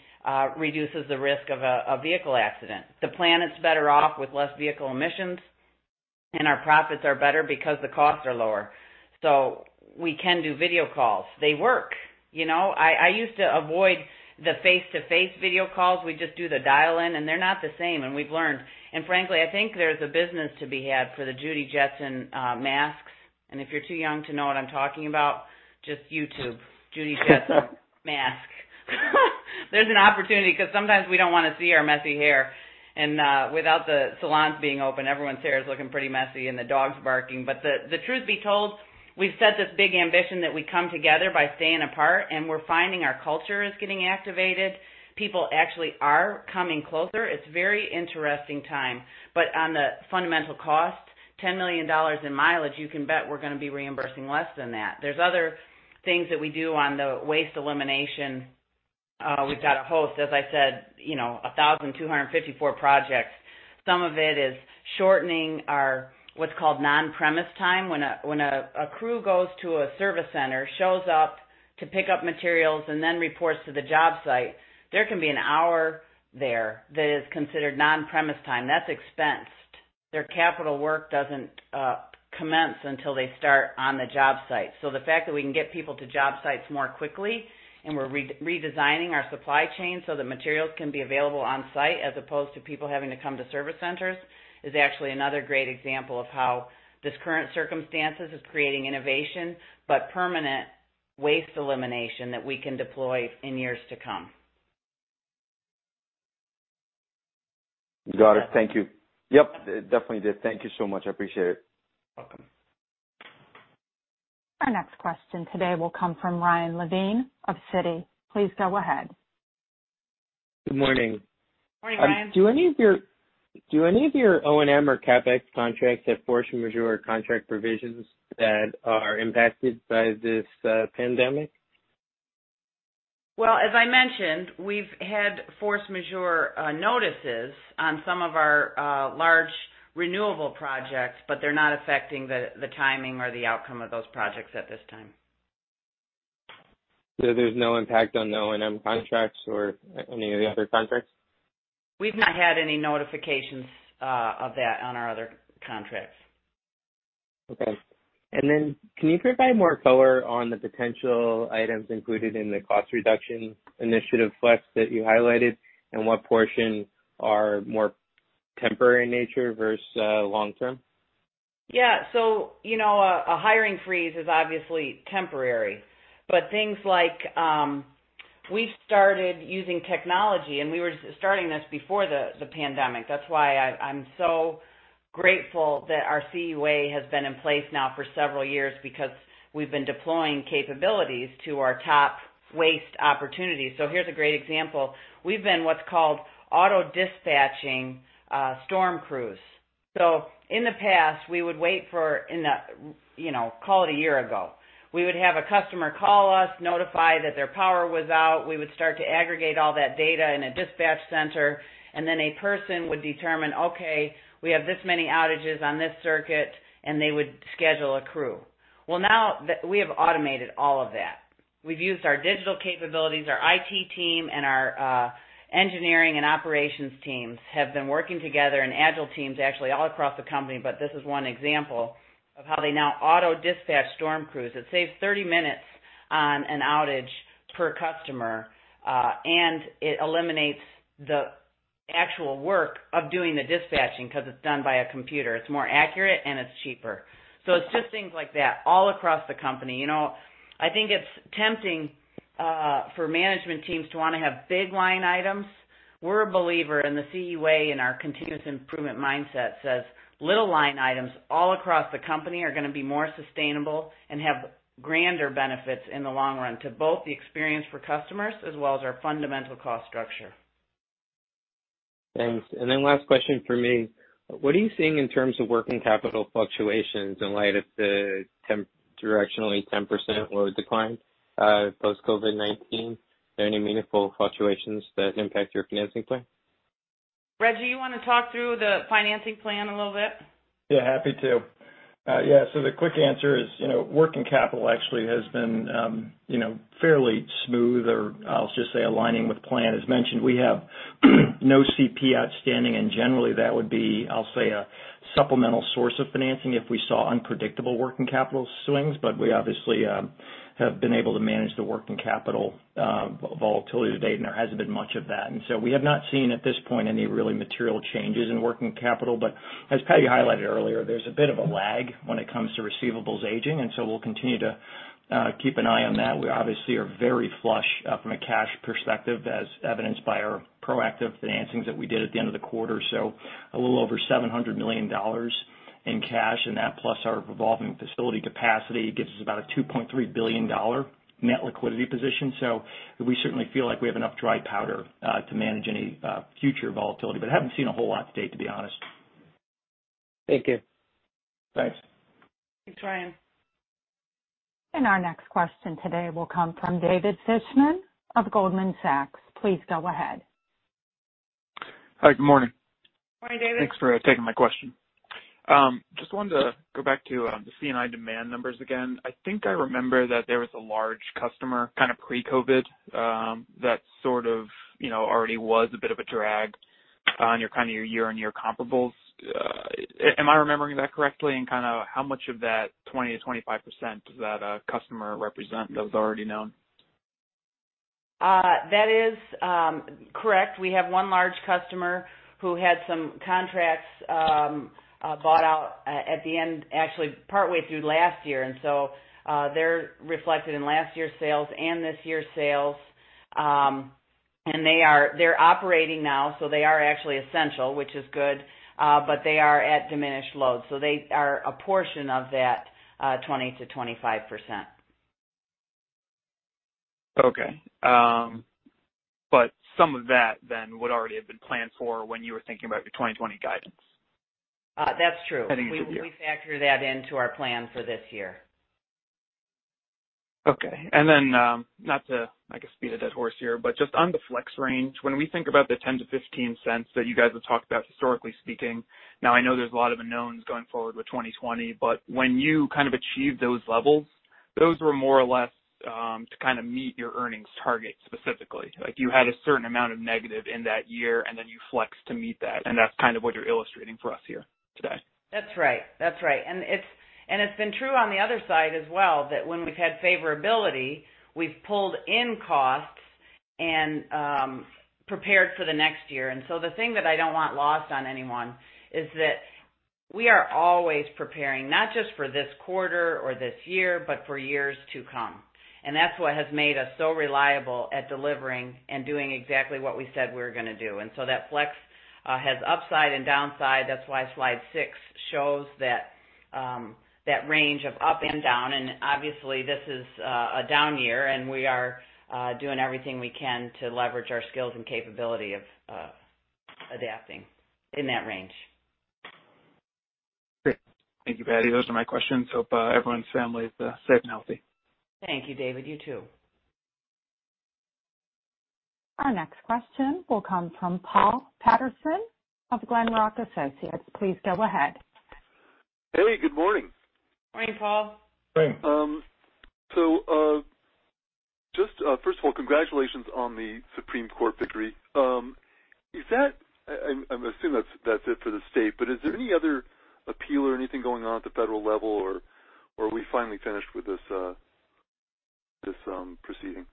Speaker 3: reduces the risk of a vehicle accident. The planet's better off with less vehicle emissions, and our profits are better because the costs are lower. We can do video calls. They work. I used to avoid the face-to-face video calls. We'd just do the dial in, and they're not the same, and we've learned. Frankly, I think there's a business to be had for the Judy Jetson masks, and if you're too young to know what I'm talking about, just YouTube Judy Jetson mask. There's an opportunity because sometimes we don't want to see our messy hair, and without the salons being open, everyone's hair is looking pretty messy and the dog's barking. The truth be told, we've set this big ambition that we come together by staying apart, and we're finding our culture is getting activated. People actually are coming closer. It's very interesting time. On the fundamental cost, $10 million in mileage, you can bet we're going to be reimbursing less than that. There's other things that we do on the waste elimination. We've got a host, as I said, 1,254 projects. Some of it is shortening our what's called non-premise time. When a crew goes to a service center, shows up to pick up materials, and then reports to the job site, there can be an hour there that is considered non-premise time. That's expensed. Their capital work doesn't commence until they start on the job site. The fact that we can get people to job sites more quickly, and we're redesigning our supply chain so that materials can be available on-site as opposed to people having to come to service centers, is actually another great example of how this current circumstances is creating innovation, but permanent waste elimination that we can deploy in years to come.
Speaker 13: Got it. Thank you. Yep, definitely did. Thank you so much. I appreciate it.
Speaker 3: Welcome.
Speaker 1: Our next question today will come from Ryan Levine of Citi. Please go ahead.
Speaker 14: Good morning.
Speaker 3: Morning, Ryan.
Speaker 14: Do any of your O&M or CapEx contracts have force majeure contract provisions that are impacted by this pandemic?
Speaker 3: As I mentioned, we've had force majeure notices on some of our large renewable projects, but they're not affecting the timing or the outcome of those projects at this time.
Speaker 14: There's no impact on O&M contracts or any of the other contracts?
Speaker 3: We've not had any notifications of that on our other contracts.
Speaker 14: Okay. Then can you provide more color on the potential items included in the cost reduction initiative flex that you highlighted, and what portion are more temporary in nature versus long-term?
Speaker 3: Yeah. A hiring freeze is obviously temporary, but things like, we've started using technology, and we were starting this before the pandemic. That's why I'm so grateful that our CE Way has been in place now for several years because we've been deploying capabilities to our top waste opportunities. Here's a great example. We've been what's called auto-dispatching storm crews. In the past, we would wait for, call it a year ago. We would have a customer call us, notify that their power was out. We would start to aggregate all that data in a dispatch center, and then a person would determine, okay, we have this many outages on this circuit, and they would schedule a crew. Well, now, we have automated all of that. We've used our digital capabilities, our IT team, and our engineering and operations teams have been working together in agile teams, actually all across the company, but this is one example of how they now auto-dispatch storm crews. It saves 30 minutes on an outage per customer, and it eliminates the actual work of doing the dispatching because it's done by a computer. It's more accurate, and it's cheaper. It's just things like that all across the company. I think it's tempting for management teams to want to have big line items. We're a believer in the CE Way and our continuous improvement mindset says little line items all across the company are going to be more sustainable and have grander benefits in the long run to both the experience for customers as well as our fundamental cost structure.
Speaker 14: Thanks. Then last question from me, what are you seeing in terms of working capital fluctuations in light of the directionally 10% load decline, post-COVID-19? Are there any meaningful fluctuations that impact your financing plan?
Speaker 3: Rejji, you want to talk through the financing plan a little bit?
Speaker 4: Yeah, happy to. Yeah, the quick answer is working capital actually has been fairly smooth or I'll just say aligning with plan. As mentioned, we have no CP outstanding, and generally, that would be, I'll say, a supplemental source of financing if we saw unpredictable working capital swings, but we obviously have been able to manage the working capital volatility to date, and there hasn't been much of that. We have not seen at this point any really material changes in working capital. As Patti highlighted earlier, there's a bit of a lag when it comes to receivables aging, and so we'll continue to keep an eye on that. We obviously are very flush from a cash perspective as evidenced by our proactive financings that we did at the end of the quarter. A little over $700 million in cash, and that plus our revolving facility capacity gives us about a $2.3 billion net liquidity position. We certainly feel like we have enough dry powder to manage any future volatility, but haven't seen a whole lot to date, to be honest.
Speaker 14: Thank you.
Speaker 4: Thanks.
Speaker 3: Thanks, Ryan.
Speaker 1: Our next question today will come from David Fishman of Goldman Sachs. Please go ahead.
Speaker 15: Hi. Good morning.
Speaker 3: Morning, David.
Speaker 15: Thanks for taking my question. Wanted to go back to the C&I demand numbers again. I think I remember that there was a large customer kind of pre-COVID, that sort of already was a bit of a drag on your year-on-year comparables. Am I remembering that correctly, kind of how much of that 20%-25% does that customer represent that was already known?
Speaker 3: That is correct. We have one large customer who had some contracts bought out at the end, actually partway through last year. They're reflected in last year's sales and this year's sales. They're operating now, so they are actually essential, which is good, but they are at diminished load, so they are a portion of that 20%-25%.
Speaker 15: Okay. Some of that then would already have been planned for when you were thinking about your 2020 guidance?
Speaker 3: That's true. We factor that into our plan for this year.
Speaker 15: Okay. Not to, I guess, beat a dead horse here, but just on the flex range, when we think about the $0.10-$0.15 that you guys have talked about historically speaking, now I know there's a lot of unknowns going forward with 2020, but when you kind of achieved those levels, those were more or less to kind of meet your earnings target specifically. Like, you had a certain amount of negative in that year, and then you flexed to meet that, and that's kind of what you're illustrating for us here today.
Speaker 3: That's right. It's been true on the other side as well, that when we've had favorability, we've pulled in costs and prepared for the next year. The thing that I don't want lost on anyone is that we are always preparing, not just for this quarter or this year, but for years to come. That's what has made us so reliable at delivering and doing exactly what we said we were going to do. That flex has upside and downside. That's why slide six shows that range of up and down. Obviously, this is a down year, and we are doing everything we can to leverage our skills and capability of adapting in that range.
Speaker 15: Great. Thank you, Patti. Those are my questions. Hope everyone's family is safe and healthy.
Speaker 3: Thank you, David. You too.
Speaker 1: Our next question will come from Paul Patterson of Glenrock Associates. Please go ahead.
Speaker 16: Hey, good morning.
Speaker 3: Morning, Paul.
Speaker 4: Morning.
Speaker 16: Just, first of all, congratulations on the Supreme Court victory. I assume that's it for the state, but is there any other appeal or anything going on at the federal level, or are we finally finished with this proceeding?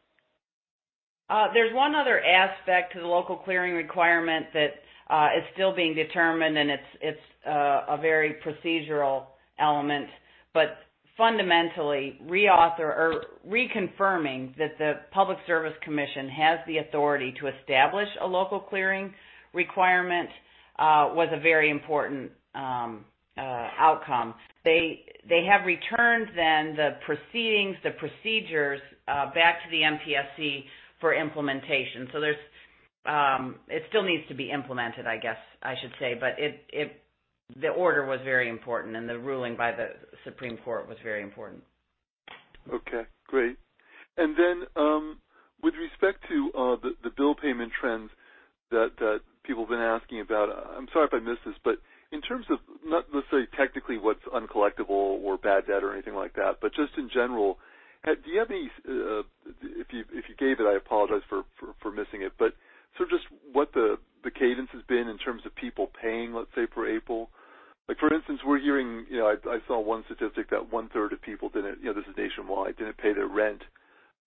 Speaker 3: There's one other aspect to the local clearing requirement that is still being determined, and it's a very procedural element, but fundamentally, reconfirming that the Public Service Commission has the authority to establish a local clearing requirement was a very important outcome. They have returned then the proceedings, the procedures, back to the MPSC for implementation. It still needs to be implemented; I guess I should say. The order was very important, and the ruling by the Michigan Supreme Court was very important.
Speaker 16: Okay, great. With respect to the bill payment trends that people have been asking about, I'm sorry if I missed this, but in terms of not let's say technically what's uncollectible or bad debt or anything like that, but just in general, do you have if you gave it, I apologize for missing it, but sort of just what the cadence has been in terms of people paying, let's say, for April. Like for instance, we're hearing, I saw one statistic that 1/3 of people, this is nationwide, didn't pay their rent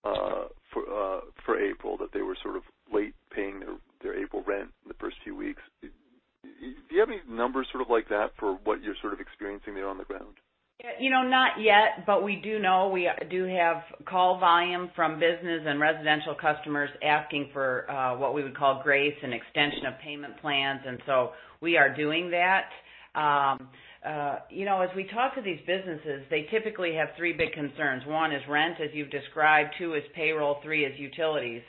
Speaker 16: for April, that they were sort of late paying their April rent in the first few weeks. Do you have any numbers sort of like that for what you're sort of experiencing there on the ground?
Speaker 3: Not yet, we do know we have call volume from business and residential customers asking for what we would call grace and extension of payment plans. We are doing that. As we talk to these businesses, they typically have three big concerns. One is rent, as you've described, two is payroll, three is utilities.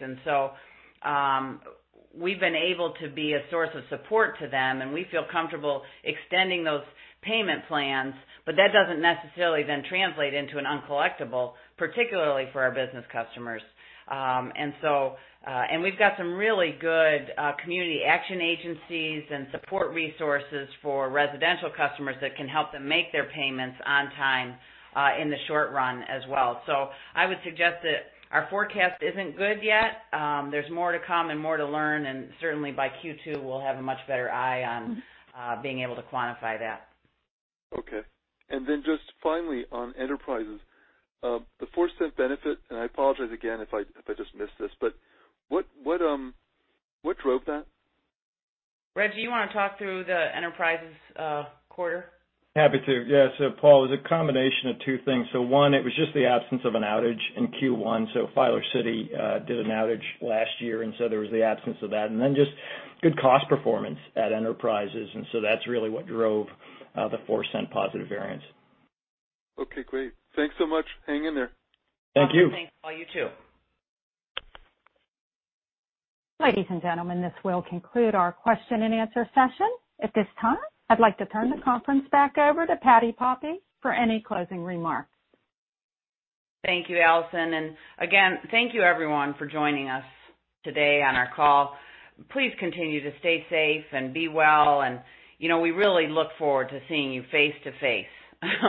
Speaker 3: We've been able to be a source of support to them, and we feel comfortable extending those payment plans. That doesn't necessarily then translate into an uncollectible, particularly for our business customers. We've got some really good community action agencies and support resources for residential customers that can help them make their payments on time in the short run as well. I would suggest that our forecast isn't good yet. There's more to come and more to learn, and certainly by Q2, we'll have a much better eye on being able to quantify that.
Speaker 16: Okay. Just finally on Enterprises. The $0.04 benefit, and I apologize again if I just missed this, but what drove that?
Speaker 3: Rejji, do you want to talk through the Enterprises quarter?
Speaker 4: Happy to. Yeah. Paul, it was a combination of two things. one, it was just the absence of an outage in Q1. Filer City did an outage last year, and so there was the absence of that. just good cost performance at Enterprises, and so that's really what drove the $0.04 positive variance.
Speaker 16: Okay, great. Thanks so much. Hang in there.
Speaker 4: Thank you.
Speaker 3: Thanks, Paul. You too.
Speaker 1: Ladies and gentlemen, this will conclude our question-and-answer session. At this time, I'd like to turn the conference back over to Patti Poppe for any closing remarks.
Speaker 3: Thank you, Allison. Again, thank you everyone for joining us today on our call. Please continue to stay safe and be well. We really look forward to seeing you face-to-face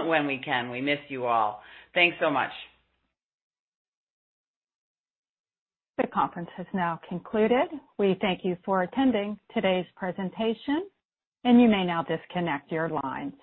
Speaker 3: when we can. We miss you all. Thanks so much.
Speaker 1: The conference has now concluded. We thank you for attending today's presentation, and you may now disconnect your line.